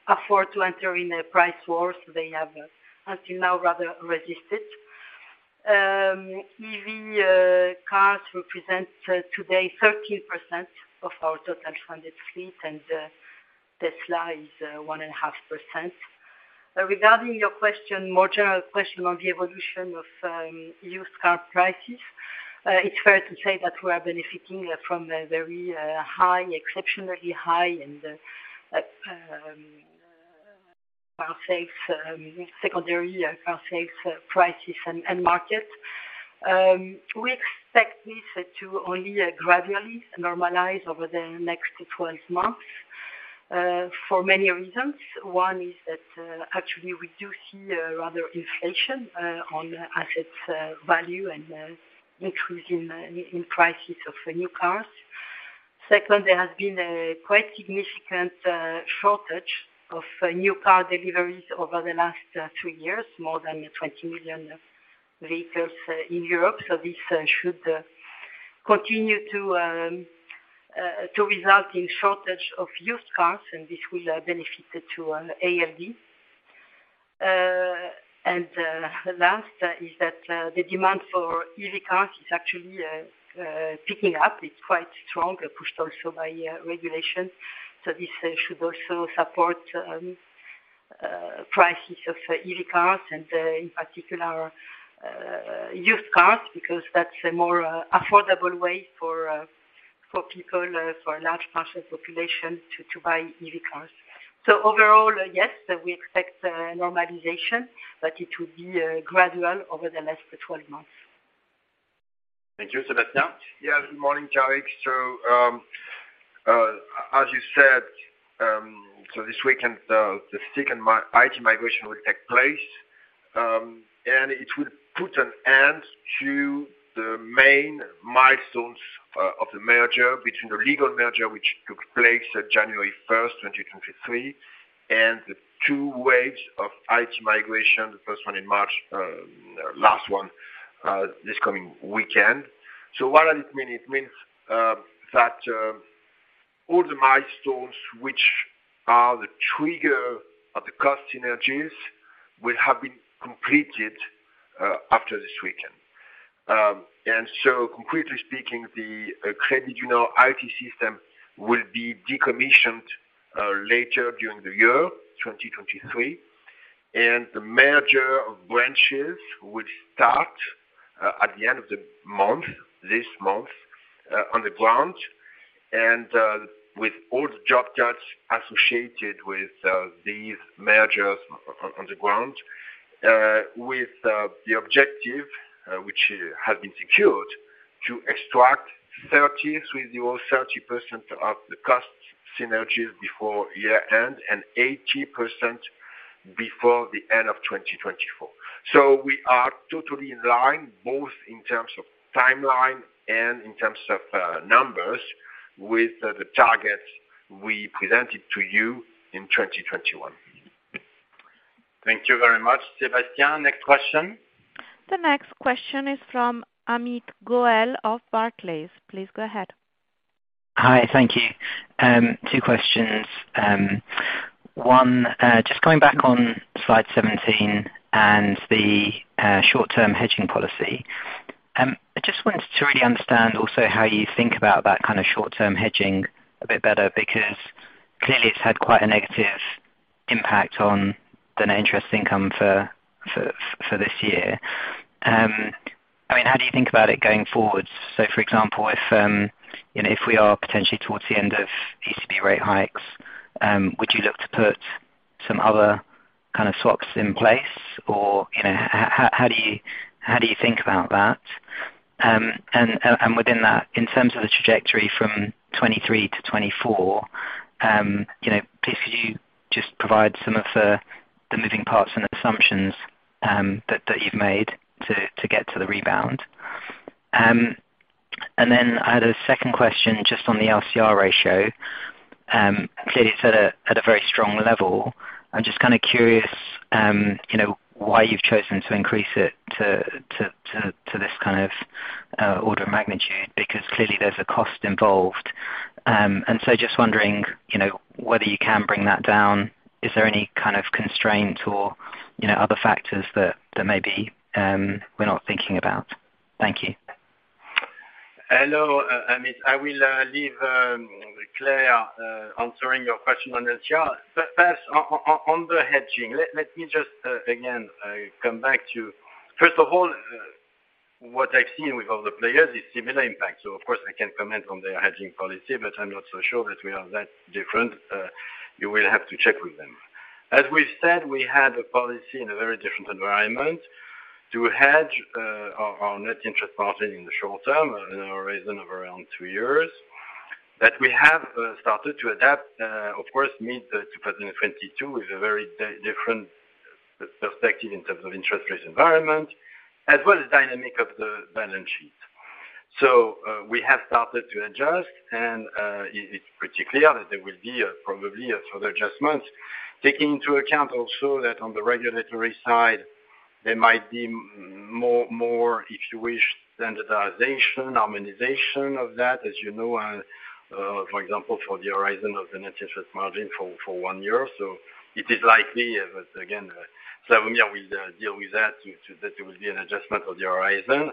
afford to enter in a price war, they have until now rather resisted. EV cars represent today 13% of our total funded fleet, and Tesla is 1.5%. Regarding your question, more general question on the evolution of used car prices, it's fair to say that we are benefiting from a very high, exceptionally high car sales, secondary car sales prices and market. We expect this to only gradually normalize over the next 12 months for many reasons. One is that actually we do see rather inflation on assets value and increase in prices of new cars. Second, there has been a quite significant shortage of new car deliveries over the last three years, more than 20 million vehicles in Europe. This should continue to result in shortage of used cars, and this will benefit to an ALD. Last is that the demand for EV cars is actually picking up. It's quite strong, pushed also by regulation. This should also support prices of EV cars and in particular used cars, because that's a more affordable way for people, for a large portion of population to buy EV cars. Overall, yes, we expect normalization, but it will be gradual over the next 12 months. Thank you. Sébastien? Yeah, good morning, Tariq. As you said, this weekend, the second IT migration will take place, and it will put an end to the main milestones of the merger between the legal merger, which took place January 1st, 2023, and the two waves of IT migration, the 1st one in March, last one, this coming weekend. What does it mean? It means that all the milestones which are the trigger of the cost synergies will have been completed after this weekend. Concretely speaking, the Crédit du Nord IT system will be decommissioned later during the year, 2023. The merger of branches will start at the end of the month, this month, on the ground and with all the job cuts associated with these mergers on the ground, with the objective, which has been secured, to extract 30% of the cost synergies before year-end and 80% before the end of 2024. We are totally in line, both in terms of timeline and in terms of numbers with the targets we presented to you in 2021. Thank you very much, Sébastien. Next question. The next question is from Amit Goel of Barclays. Please go ahead. Hi. Thank you. two questions. one, just coming back on slide 17 and the short-term hedging policy. I just wanted to really understand also how you think about that kind of short-term hedging a bit better, because clearly it's had quite a negative impact on the net interest income for this year. I mean, how do you think about it going forward? So for example, if we are potentially towards the end of ECB rate hikes, would you look to put some other kind of stocks in place or, you know, how do you think about that? Within that, in terms of the trajectory from 2023 to 2024, you know, could you just provide some of the moving parts and assumptions that you've made to get to the rebound. I had a second question just on the LCR ratio. Clearly it's at a very strong level. I'm just kind of curious, you know, why you've chosen to increase it to this kind of order of magnitude, because clearly there's a cost involved. Just wondering, you know, whether you can bring that down. Is there any kind of constraint or, you know, other factors that maybe we're not thinking about? Thank you. Hello. Amit, I will leave Claire answering your question on LCR. First on the hedging, let me just again come back to. First of all, what I've seen with other players is similar impact. Of course, I can comment on their hedging policy, but I'm not so sure that we are that different. You will have to check with them. As we've said, we had a policy in a very different environment to hedge our net interest margin in the short term, in a horizon of around 2 years, that we have started to adapt, of course mid-2022 is a very different perspective in terms of interest rate environment, as well as dynamic of the balance sheet. We have started to adjust and it's pretty clear that there will be, probably further adjustments, taking into account also that on the regulatory side, there might be more, if you wish, standardization, harmonization of that, as you know, and, for example, for the horizon of the net interest margin for one year. It is likely, but again, Slawomir will, deal with that there will be an adjustment of the horizon.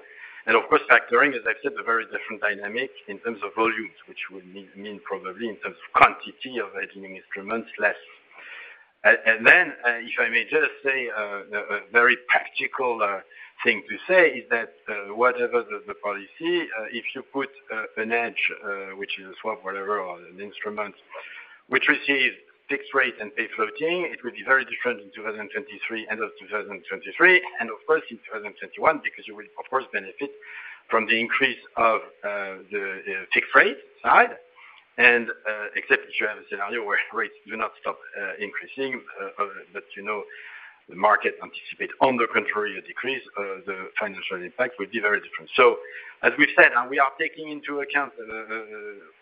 Of course, factoring, as I've said, a very different dynamic in terms of volumes, which would mean probably in terms of quantity of hedging instruments less. Then, if I may just say, a very practical thing to say is that, whatever the policy, if you put an edge, which is a swap, whatever, or an instrument which receives fixed rate and pay floating, it will be very different in 2023, end of 2023, and of course, in 2021, because you will of course benefit from the increase of the fixed rate side. Except if you have a scenario where rates do not stop increasing, but, you know, the market anticipate on the contrary, a decrease, the financial impact will be very different. As we've said, we are taking into account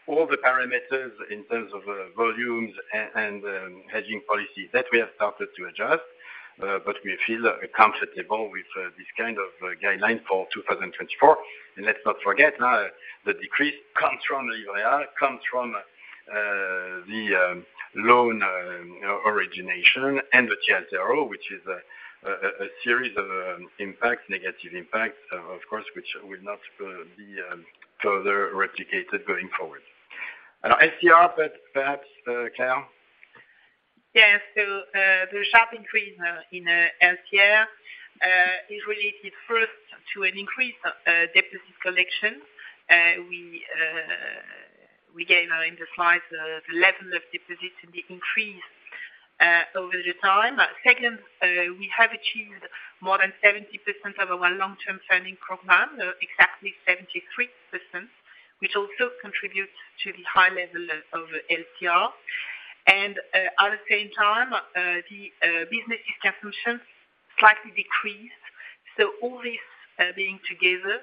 all the parameters in terms of volumes and hedging policy that we have started to adjust, but we feel comfortable with this kind of guideline for 2024. Let's not forget, now the decrease comes from Livret A, comes from the loan origination and the TLTRO, which is a series of impacts, negative impacts, of course, which will not be further replicated going forward. LCR, perhaps Claire. Yes. The sharp increase in LCR is related first to an increase of deposit collection. We gave in the slides the level of deposits and the increase over the time. Second, we have achieved more than 70% of our long-term funding program, exactly 73%, which also contributes to the high level of LCR. At the same time, the business distribution slightly decreased. All this, being together,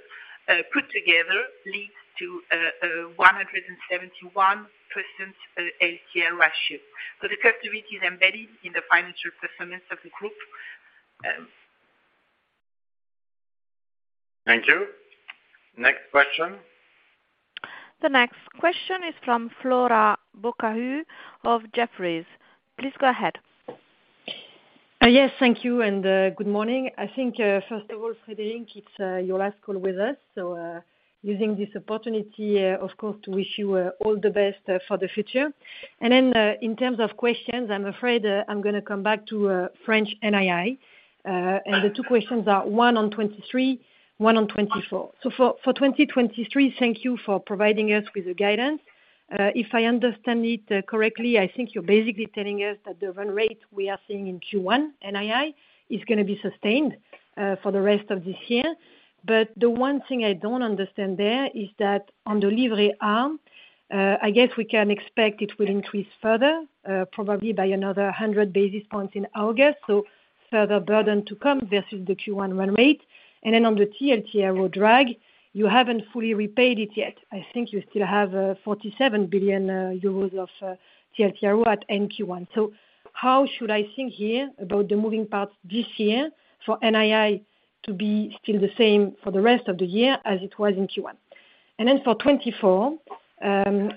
put together leads to a 171% LCR ratio. The captivity is embedded in the financial performance of the group. Thank you. Next question. The next question is from Flora Bocahut of Jefferies. Please go ahead. Yes, thank you, good morning. I think, first of all, Frédéric, it's your last call with us, using this opportunity, of course, to wish you all the best for the future. In terms of questions, I'm afraid, I'm going to come back to French NII. The two questions are one on 2023, one on 2024. For 2023, thank you for providing us with the guidance. If I understand it correctly, I think you're basically telling us that the run rate we are seeing in Q1 NII is going to be sustained for the rest of this year. The one thing I don't understand there is that on the Livret A, I guess we can expect it will increase further, probably by another 100 basis points in August. Further burden to come versus the Q1 run rate. Then on the TLTRO drag, you haven't fully repaid it yet. I think you still have 47 billion euros of TLTRO at end Q1. How should I think here about the moving parts this year for NII to be still the same for the rest of the year as it was in Q1? And then for 2024,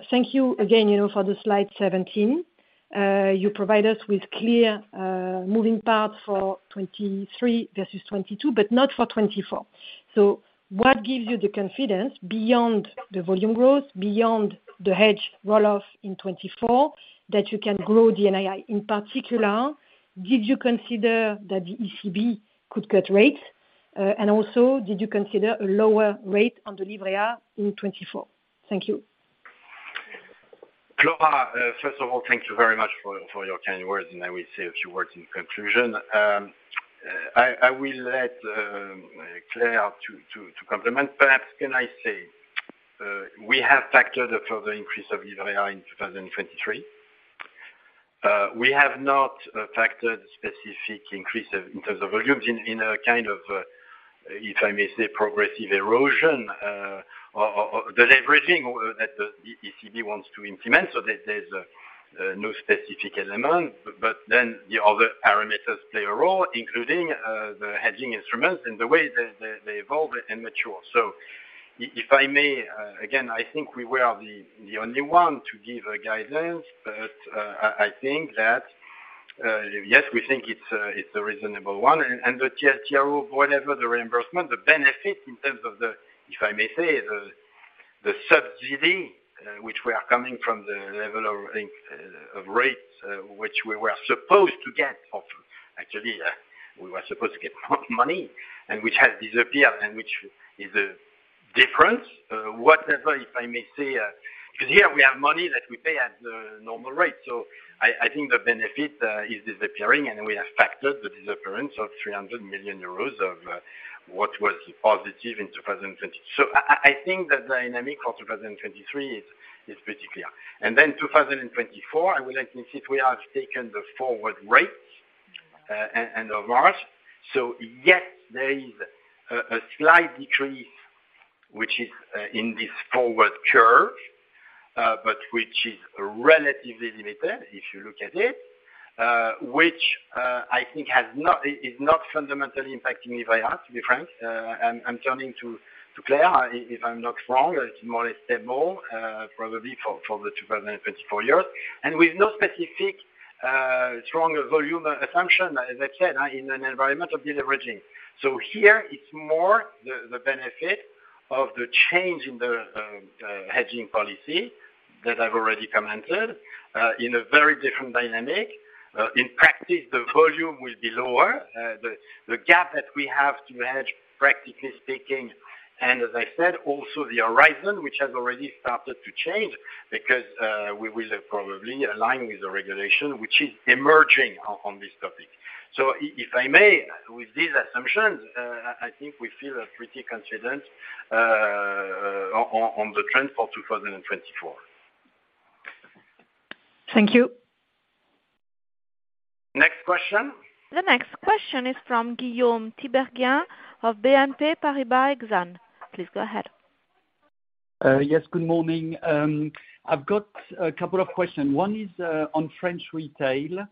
thank you again, you know, for the slide 17. You provide us with clear moving parts for 2023 versus 2022, but not for 2024. What gives you the confidence beyond the volume growth, beyond the hedge roll-off in 2024, that you can grow the NII? In particular, did you consider that the ECB could cut rates? Also, did you consider a lower rate on the Livret A in 2024? Thank you. Claire, first of all, thank you very much for your kind words. I will say a few words in conclusion. I will let Claire to complement. Perhaps can I say, we have factored a further increase of Livret A in 2023. We have not factored specific increase in terms of volumes in a kind of, if I may say, progressive erosion, or deleveraging that the ECB wants to implement, so there's no specific element. The other parameters play a role, including the hedging instruments and the way they evolve and mature. If I may, again, I think we were the only one to give a guidance, I think that, yes, we think it's a reasonable one. The TLTRO, whatever the reimbursement, the benefit in terms of the, if I may say, the subsidy, which we are coming from the level of rates, which we were supposed to get. Actually, we were supposed to get more money, and which has disappeared and which is a difference. Whatever, if I may say, because here we have money that we pay at the normal rate. I think the benefit is disappearing, and we have factored the disappearance of 300 million euros of what was positive in 2020. I think the dynamic for 2023 is pretty clear. Then 2024, I would like to see if we have taken the forward rates end of March. Yes, there is a slight decrease, which is in this forward curve, but which is relatively limited if you look at it. Which I think has not. It's not fundamentally impacting Livret A, to be frank. I'm turning to Claire. If I'm not wrong, it's more or less stable, probably for the 2024 years. With no specific strong volume assumption, as I said, in an environment of deleveraging. Here it's more the benefit of the change in the hedging policy that I've already commented, in a very different dynamic. In practice, the volume will be lower. The gap that we have to hedge, practically speaking, and as I said, also the horizon, which has already started to change because we will probably align with the regulation which is emerging on this topic. If I may, with these assumptions, I think we feel pretty confident on the trend for 2024. Thank you. Next question. The next question is from Guillaume Tiberghien of BNP Paribas Exane. Please go ahead. Good morning. I've got a couple of questions. One is on French retail.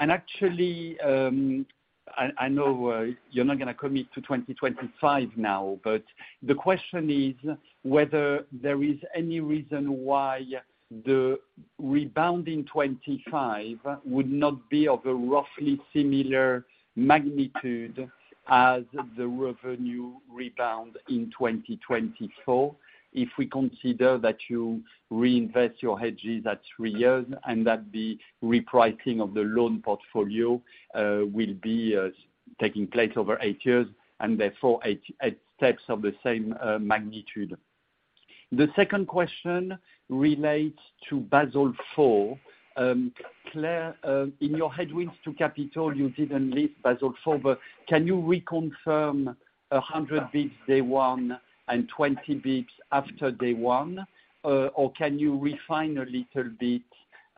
Actually, I know you're not gonna commit to 2025 now, but the question is whether there is any reason why the rebound in 2025 would not be of a roughly similar magnitude as the revenue rebound in 2024, if we consider that you reinvest your hedges at three years and that the repricing of the loan portfolio will be taking place over eight years and therefore eight steps of the same magnitude. The second question relates to Basel IV. Claire, in your headwinds to capital, you didn't list Basel IV, but can you reconfirm 100 basis points day one and 20 basis points after day one? Or can you refine a little bit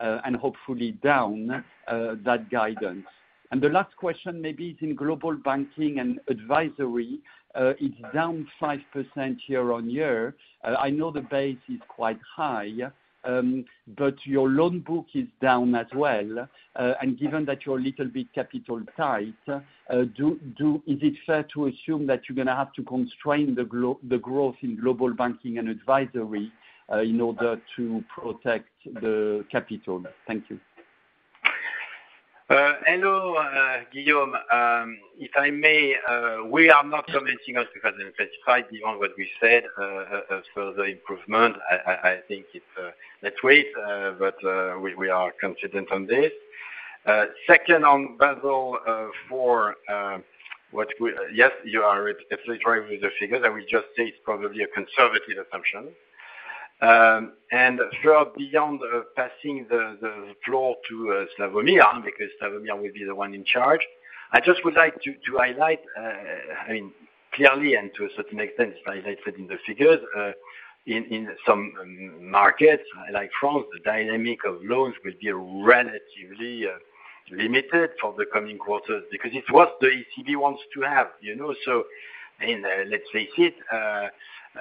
and hopefully down that guidance The last question maybe is in Global Banking & Advisory, it's down 5% year-over-year. I know the base is quite high, but your loan book is down as well. Given that you're a little bit capital tight, is it fair to assume that you're gonna have to constrain the growth in Global Banking & Advisory in order to protect the capital? Thank you. Hello, Guillaume. If I may, we are not commenting on 2025 beyond what we said. A further improvement, I think it's, let's wait, but we are confident on this. Second, on Basel IV, Yes, you are absolutely right with the figures. I will just say it's probably a conservative assumption. Further beyond, passing the floor to Slawomir, because Slawomir will be the one in charge. I just would like to highlight, I mean, clearly and to a certain extent, it's highlighted in the figures. In some markets like France, the dynamic of loans will be relatively limited for the coming quarters because it's what the ECB wants to have, you know? I mean, let's face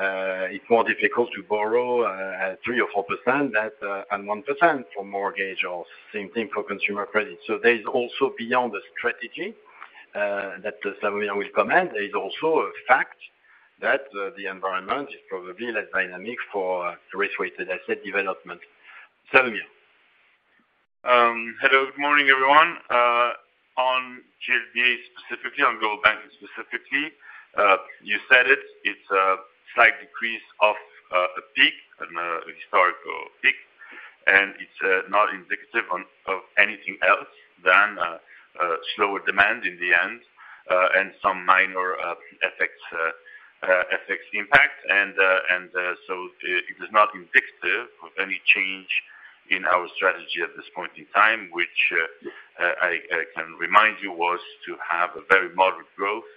it's more difficult to borrow 3% or 4% that and 1% for mortgage or same thing for consumer credit. There is also, beyond the strategy that Slawomir will comment, there is also a fact that the environment is probably less dynamic for risk-weighted asset development. Slawomir. Hello. Good morning, everyone. On GB specifically, on Global Banking specifically, you said it's a slight decrease off, a peak and a historic peak. It's not indicative of anything else than slower demand in the end, and some minor FX impact. It is not indicative of any change in our strategy at this point in time, which I can remind you, was to have a very moderate growth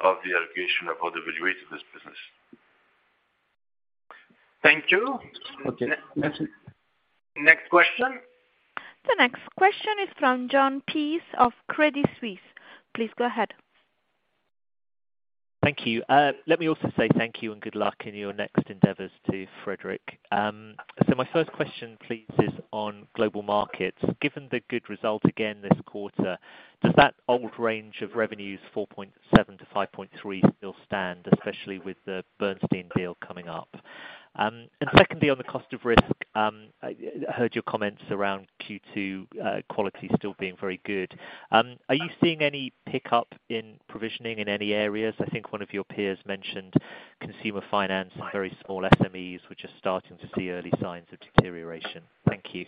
of the allocation of other valuation-less business. Thank you. Okay. That's it. Next question. The next question is from Jon Peace of Credit Suisse. Please go ahead. Thank you. Let me also say thank you and good luck in your next endeavors to Frédéric. My first question, please, is on Global Markets. Given the good result again this quarter, does that old range of revenues, 4.7 to 5.3, still stand, especially with the AllianceBernstein deal coming up? Secondly, on the cost of risk, I heard your comments around Q2 quality still being very good. Are you seeing any pickup in provisioning in any areas? I think one of your peers mentioned consumer finance and very small SMEs, which are starting to see early signs of deterioration. Thank you.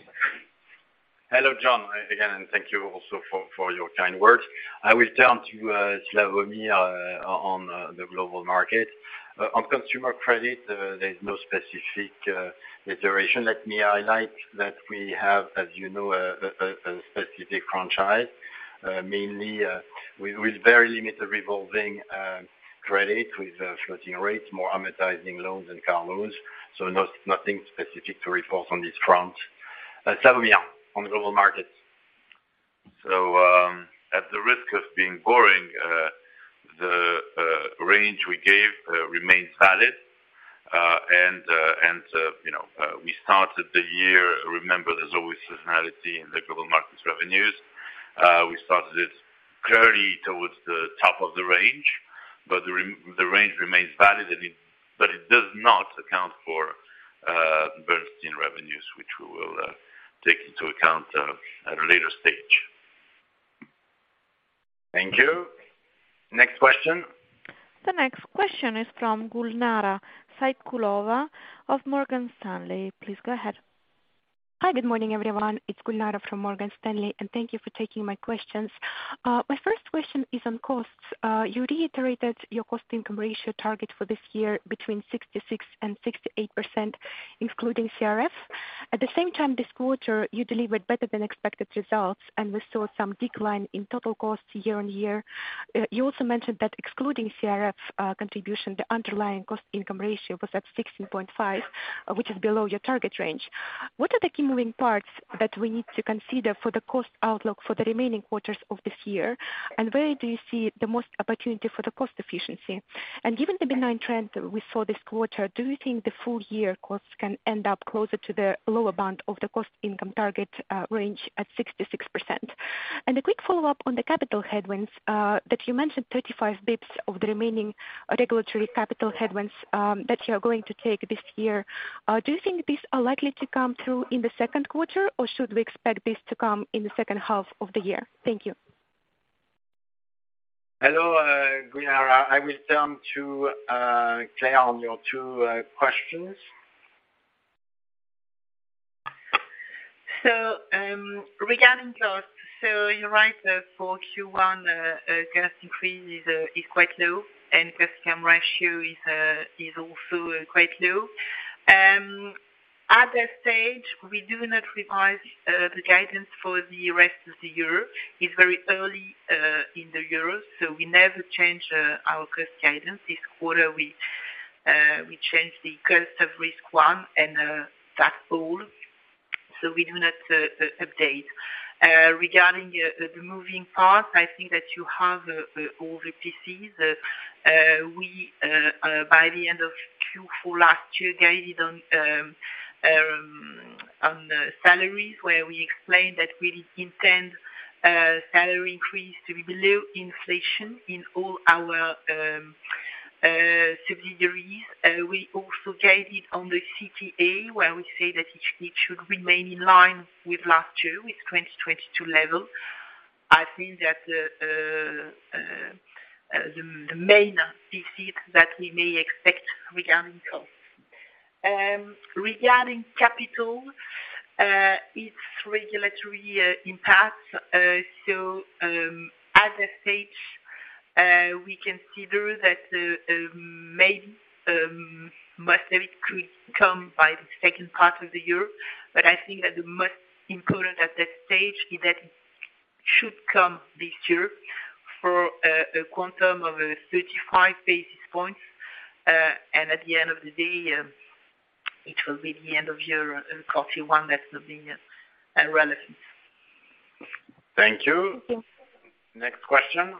Hello, Jon. Again, thank you also for your kind words. I will turn to Slawomir on the Global Markets. On consumer credit, there is no specific iteration. Let me highlight that we have, as you know, a specific franchise, mainly with very limited revolving credit with floating rates, more amortizing loans and car loans, so nothing specific to report on this front. Slawomir, on Global Markets. At the risk of being boring, the range we gave remains valid. You know, we started the year. Remember, there's always seasonality in the Global Markets revenues. We started it clearly towards the top of the range, but the range remains valid, and it does not account for AllianceBernstein revenues, which we will take into account at a later stage. Thank you. Next question. The next question is from Gulnara Saidkulova of Morgan Stanley. Please go ahead. Hi, good morning, everyone. It's Gulnara from Morgan Stanley. Thank you for taking my questions. My first question is on costs. You reiterated your cost income ratio target for this year between 66% and 68%, including CRF. At the same time this quarter, you delivered better than expected results and we saw some decline in total costs year-on-year. You also mentioned that excluding CRF contribution, the underlying cost income ratio was at 16.5%, which is below your target range. What are the key moving parts that we need to consider for the cost outlook for the remaining quarters of this year? Where do you see the most opportunity for the cost efficiency? Given the benign trend we saw this quarter, do you think the full year costs can end up closer to the lower band of the cost income target range at 66%? A quick follow-up on the capital headwinds that you mentioned 35 basis points of the remaining regulatory capital headwinds that you are going to take this year. Do you think these are likely to come through in the second quarter, or should we expect this to come in the second half of the year? Thank you. Hello, Gulnara. I will turn to Claire on your two questions. Regarding costs, you're right, for Q1, cost increase is quite low, and cost income ratio is also quite low. At that stage, we do not revise the guidance for the rest of the year. It's very early in the year, so we never change our cost guidance. This quarter we change the cost of risk one and that all. We do not update. Regarding the moving parts, I think that you have all the pieces. We, by the end of Q4 last year, guided on the salaries, where we explained that we intend salary increase to be below inflation in all our subsidiaries. We also guided on the CTE, where we say that it should remain in line with last year, with 2022 levels. I think that the main pieces that we may expect regarding costs. Regarding capital, its regulatory impact. At that stage, we consider that maybe most of it could come by the second part of the year, but I think that the most important at that stage is that it should come this year for a quantum of 35 basis points. At the end of the day, it will be the end of year CET1. That's nothing relevant. Thank you. Thank you. Next question.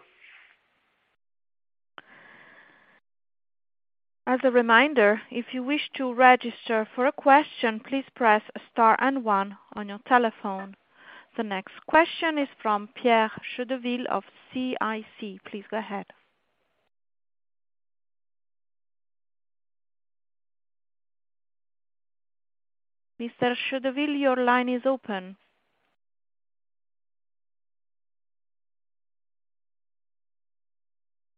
As a reminder, if you wish to register for a question, please press star and 1 on your telephone. The next question is from Pierre Chédeville of CIC. Please go ahead. Mr. Chédeville, your line is open.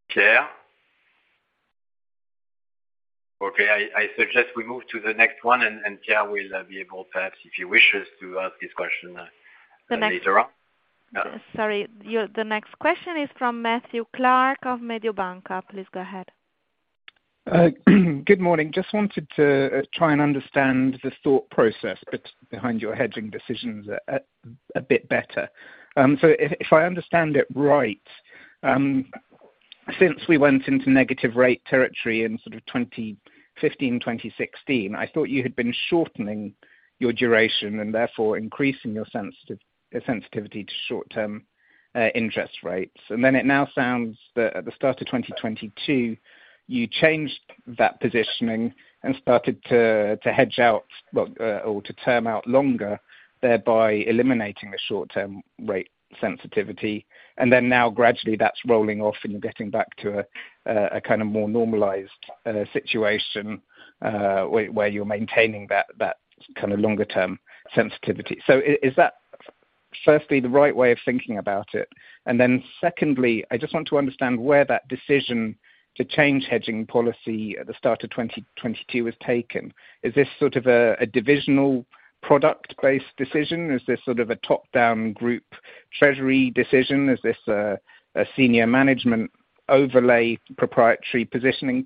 Pierre? Okay. I suggest we move to the next one and Pierre will be able to, perhaps, if he wishes to ask his question later on. Sorry. The next question is from Matthew Clark of Mediobanca. Please go ahead. Good morning. Just wanted to try and understand the thought process behind your hedging decisions a bit better. If I understand it right, since we went into negative rate territory in sort of 2015, 2016, I thought you had been shortening your duration and therefore increasing your sensitivity to short-term interest rates. It now sounds that at the start of 2022 you changed that positioning and started to hedge out, well, or to term out longer, thereby eliminating the short-term rate sensitivity. Now gradually that's rolling off and you're getting back to a kind of more normalized situation where you're maintaining that kind of longer term sensitivity. Is that, firstly, the right way of thinking about it? Secondly, I just want to understand where that decision to change hedging policy at the start of 2022 was taken. Is this sort of a divisional product-based decision? Is this sort of a top-down group treasury decision? Is this a senior management overlay proprietary positioning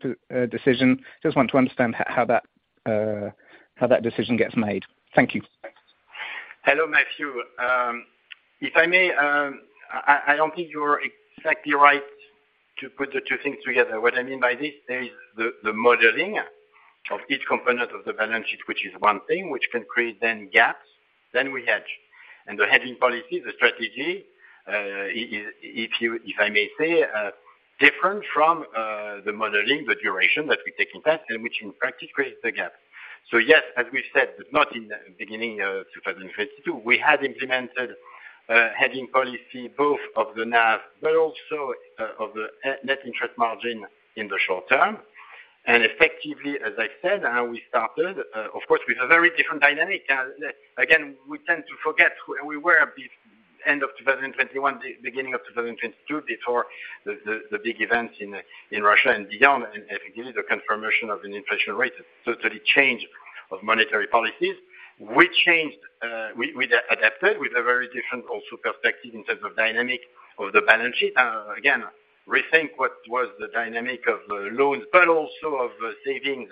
decision? Just want to understand how that decision gets made. Thank you. Hello, Matthew. If I may, I don't think you're exactly right to put the 2 things together. What I mean by this, there is the modeling of each component of the balance sheet, which is one thing, which can create then gaps, then we hedge. The hedging policy, the strategy, if I may say, different from the modeling, the duration that we take in that, and which in practice creates the gap. Yes, as we said, but not in the beginning of 2022, we had implemented hedging policy, both of the NAV, but also of the net interest margin in the short term. Effectively, as I said, how we started, of course, with a very different dynamic. Again, we tend to forget where we were at the end of 2021, beginning of 2022, before the big events in Russia and beyond, and effectively the confirmation of an inflation rate, totally change of monetary policies. We changed, we adapted with a very different also perspective in terms of dynamic of the balance sheet. Again, rethink what was the dynamic of the loans, but also of savings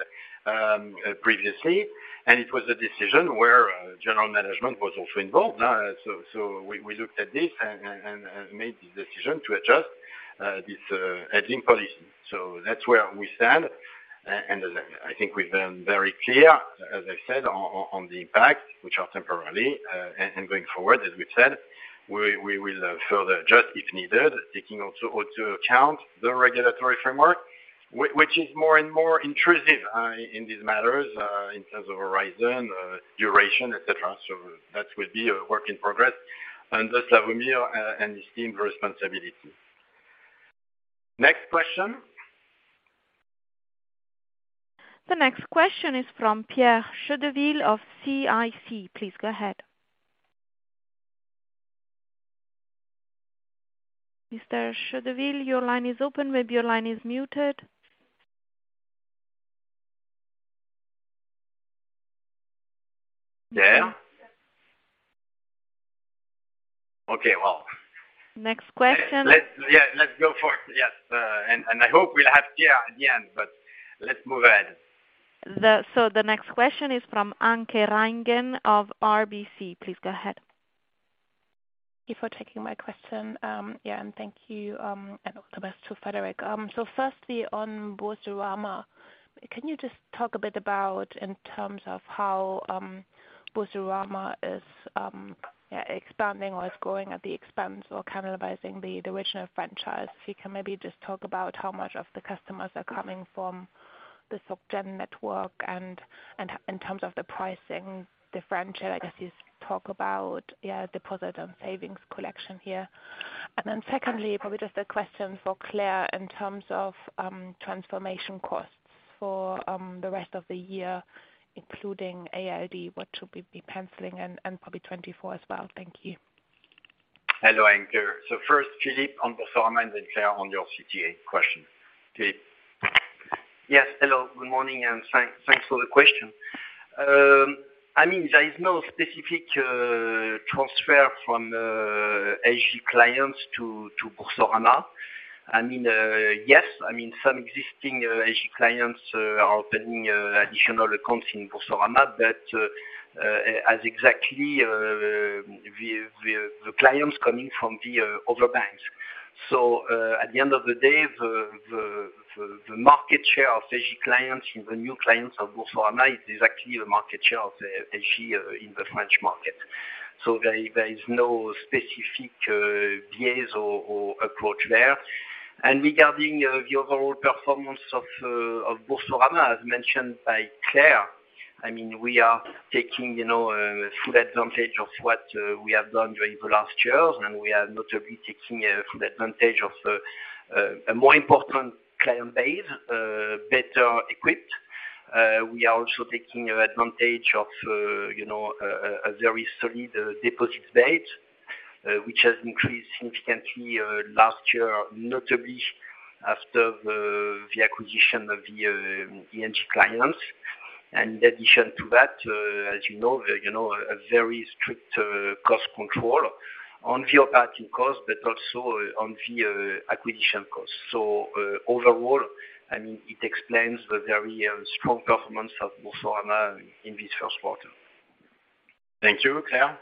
previously. It was a decision where general management was also involved. Now, we looked at this and made the decision to adjust this hedging policy. That's where we stand. I think we've been very clear, as I said, on the impact, which are temporarily, and going forward, as we've said, we will further adjust if needed, taking also into account the regulatory framework, which is more and more intrusive in these matters in terms of horizon, duration, et cetera. That will be a work in progress, under Slawomir and his team responsibility. Next question. The next question is from Pierre Chédeville of CIC. Please go ahead. Mr. Chédeville, your line is open. Maybe your line is muted. Pierre? Okay. Well- Next question. Let's, yeah, let's go forth. Yes. I hope we'll have Pierre at the end. Let's move ahead. The next question is from Anke Reingen of RBC. Please go ahead. Thank you for taking my question. Thank you, and also best to Frédéric. Firstly on Boursorama, can you just talk a bit about in terms of how Boursorama is expanding or is growing at the expense or cannibalizing the original franchise? If you can maybe just talk about how much of the customers are coming from the SocGen network in terms of the pricing differential, I guess you talk about deposit and savings collection here. Secondly, probably just a question for Claire in terms of transformation costs for the rest of the year, including ALD, what should we be penciling and probably 2024 as well. Thank you. Hello, Anke. First, Philippe on Boursorama, then Claire on your CTA question. Philippe. Yes. Hello. Good morning. Thanks for the question. I mean, there is no specific transfer from ING clients to Boursorama. I mean, yes, I mean some existing ING clients are opening additional accounts in Boursorama. As exactly the clients coming from other banks. At the end of the day, the market share of ING clients and the new clients of Boursorama is exactly the market share of ING in the French market. There is no specific bias or approach there. Regarding the overall performance of Boursorama, as mentioned by Claire, I mean, we are taking, you know, full advantage of what we have done during the last years. We are notably taking full advantage of a more important client base, better equipped. We are also taking advantage of, you know, a very solid deposit base, which has increased significantly last year, notably after the acquisition of the ING clients. In addition to that, as you know, a very strict cost control on the operating cost, but also on the acquisition costs. Overall, I mean, it explains the very strong performance of Boursorama in this first quarter. Thank you. Claire?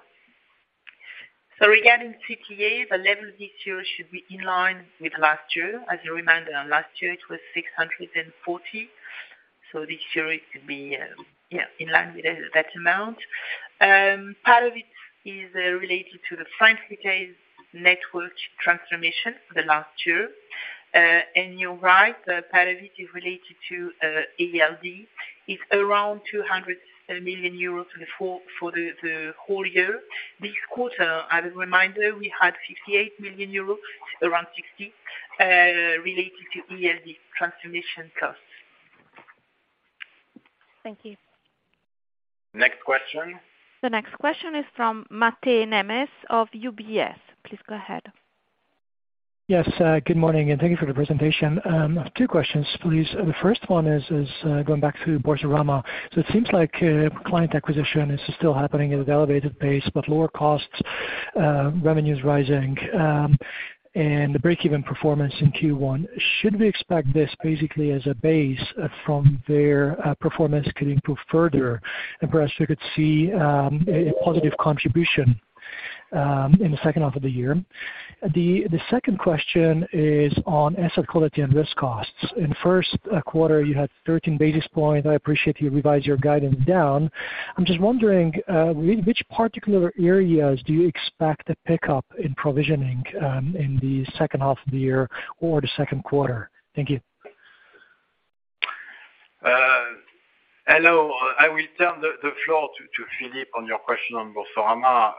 Regarding CTA, the level this year should be in line with last year. As a reminder, last year it was 640. This year it could be in line with that amount. Part of it is related to the France retail network transformation last year. You're right, part of it is related to ALD. It's around 200 million euros for the whole year. This quarter, as a reminder, we had 58 million euros, around 60, related to ALD transformation costs. Thank you. Next question. The next question is from Máté Nemes of UBS. Please go ahead. Yes, good morning, thank you for the presentation. Two questions, please. The first one is going back to Boursorama. It seems like client acquisition is still happening at an elevated pace, but lower costs, revenues rising, and the break-even performance in Q1. Should we expect this basically as a base from there, performance could improve further? Perhaps we could see a positive contribution in the second half of the year. The second question is on asset quality and risk costs. In first quarter, you had 13 basis points. I appreciate you revised your guidance down. I'm just wondering, which particular areas do you expect to pick up in provisioning in the second half of the year or the second quarter? Thank you. Hello. I will turn the floor to Philippe on your question on Boursorama.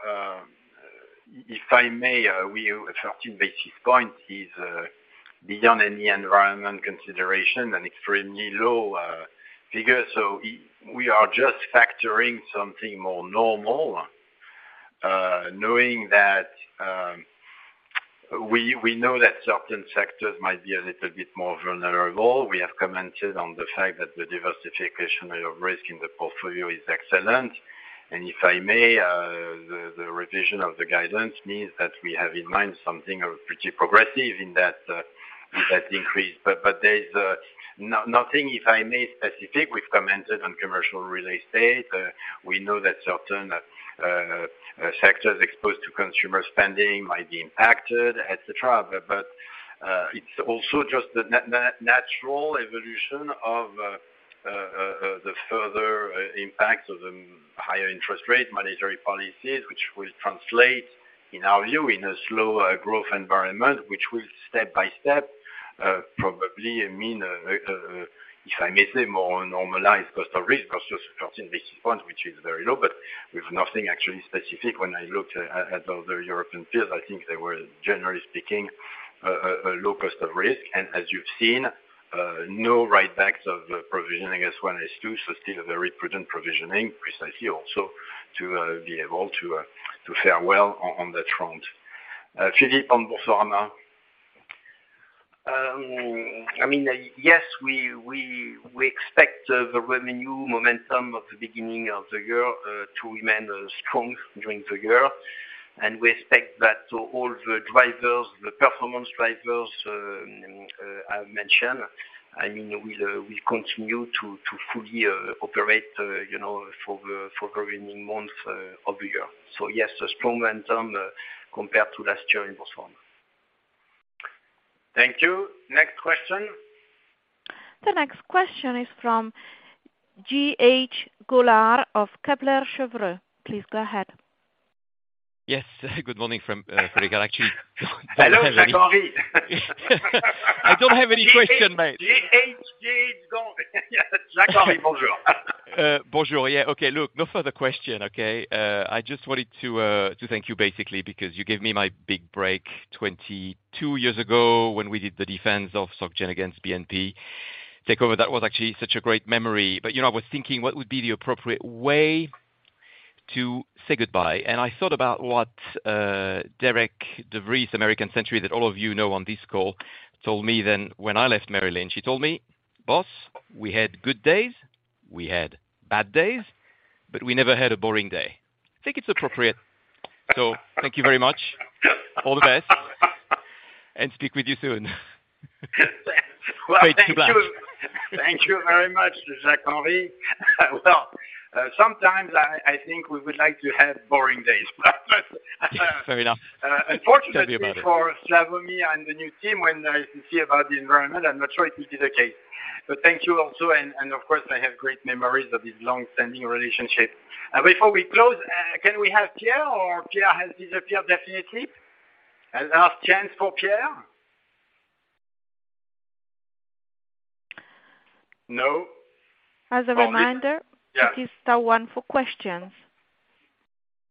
If I may, we have 13 basis points is beyond any environment consideration, an extremely low figure. We are just factoring something more normal, knowing that we know that certain sectors might be a little bit more vulnerable. We have commented on the fact that the diversification of risk in the portfolio is excellent. If I may, the revision of the guidance means that we have in mind something pretty progressive in that increase. There's nothing, if I may, specific. We've commented on commercial real estate. We know that certain sectors exposed to consumer spending might be impacted, et cetera. It's also just the natural evolution of the further impact of the higher interest rate monetary policies, which will translate, in our view, in a slower growth environment, which will step by step, probably mean, if I may say, more normalized cost of risk, plus just 13 basis points, which is very low, but with nothing actually specific. When I looked at the European peers, I think they were, generally speaking, a low cost of risk. As you've seen, no write backs of provisioning S1, S2, so still a very prudent provisioning, precisely also to be able to fare well on that front. Philippe on Boursorama. I mean, yes, we expect the revenue momentum of the beginning of the year to remain strong during the year. We expect that all the drivers, the performance drivers, I mentioned, I mean, will continue to fully operate, you know, for the remaining months of the year. Yes, a strong momentum compared to last year in Boursorama. Thank you. Next question. The next question is from Jacques-Henri Gaulard of Kepler Cheuvreux. Please go ahead. Yes. Good morning from, Frédéric. Hello, Jacques-Henri. I don't have any question, Máté. Jacques-Henri, bonjour. Bonjour. Yeah, okay. Look, no further question, okay? I just wanted to thank you basically, because you gave me my big break 22 years ago when we did the defense of SocGen against BNP takeover. That was actually such a great memory. You know, I was thinking what would be the appropriate way to say goodbye. I thought about what Derek De Vries, American Century, that all of you know on this call, told me then when I left Merrill Lynch, he told me, "Boss, we had good days, we had bad days, but we never had a boring day." I think it's appropriate. Thank you very much. All the best. Speak with you soon. Well, thank you. Page two blank. Thank you very much, Jacques-Henri. Well, sometimes I think we would like to have boring days. Fair enough. Unfortunately for Slawomir and the new team, when I see about the environment, I'm not sure if this is the case. Thank you also. Of course, I have great memories of this long-standing relationship. Before we close, can we have Pierre, or Pierre has disappeared definitely? A last chance for Pierre? No? As a reminder. Yeah. It is still one for questions.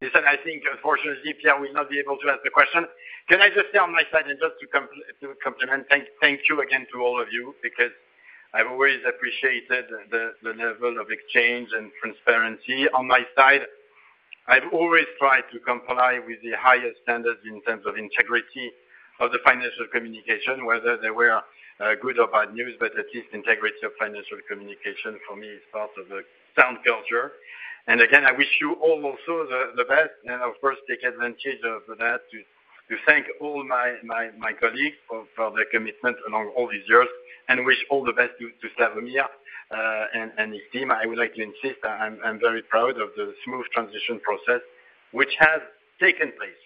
Listen, I think unfortunately, Pierre will not be able to ask the question. Can I just say on my side and just to compliment, thank you again to all of you, because I've always appreciated the level of exchange and transparency. On my side, I've always tried to comply with the highest standards in terms of integrity of the financial communication, whether they were good or bad news, but at least integrity of financial communication for me is part of the sound culture. Again, I wish you all also the best. Of course, take advantage of that to thank all my colleagues for their commitment along all these years, and wish all the best to Slawomir and his team. I would like to insist, I'm very proud of the smooth transition process which has taken place.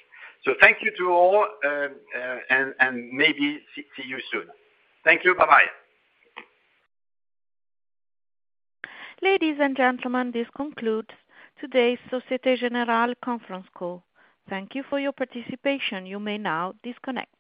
Thank you to all, and maybe see you soon. Thank you. Bye-bye. Ladies and gentlemen, this concludes today's Société Générale conference call. Thank you for your participation. You may now disconnect.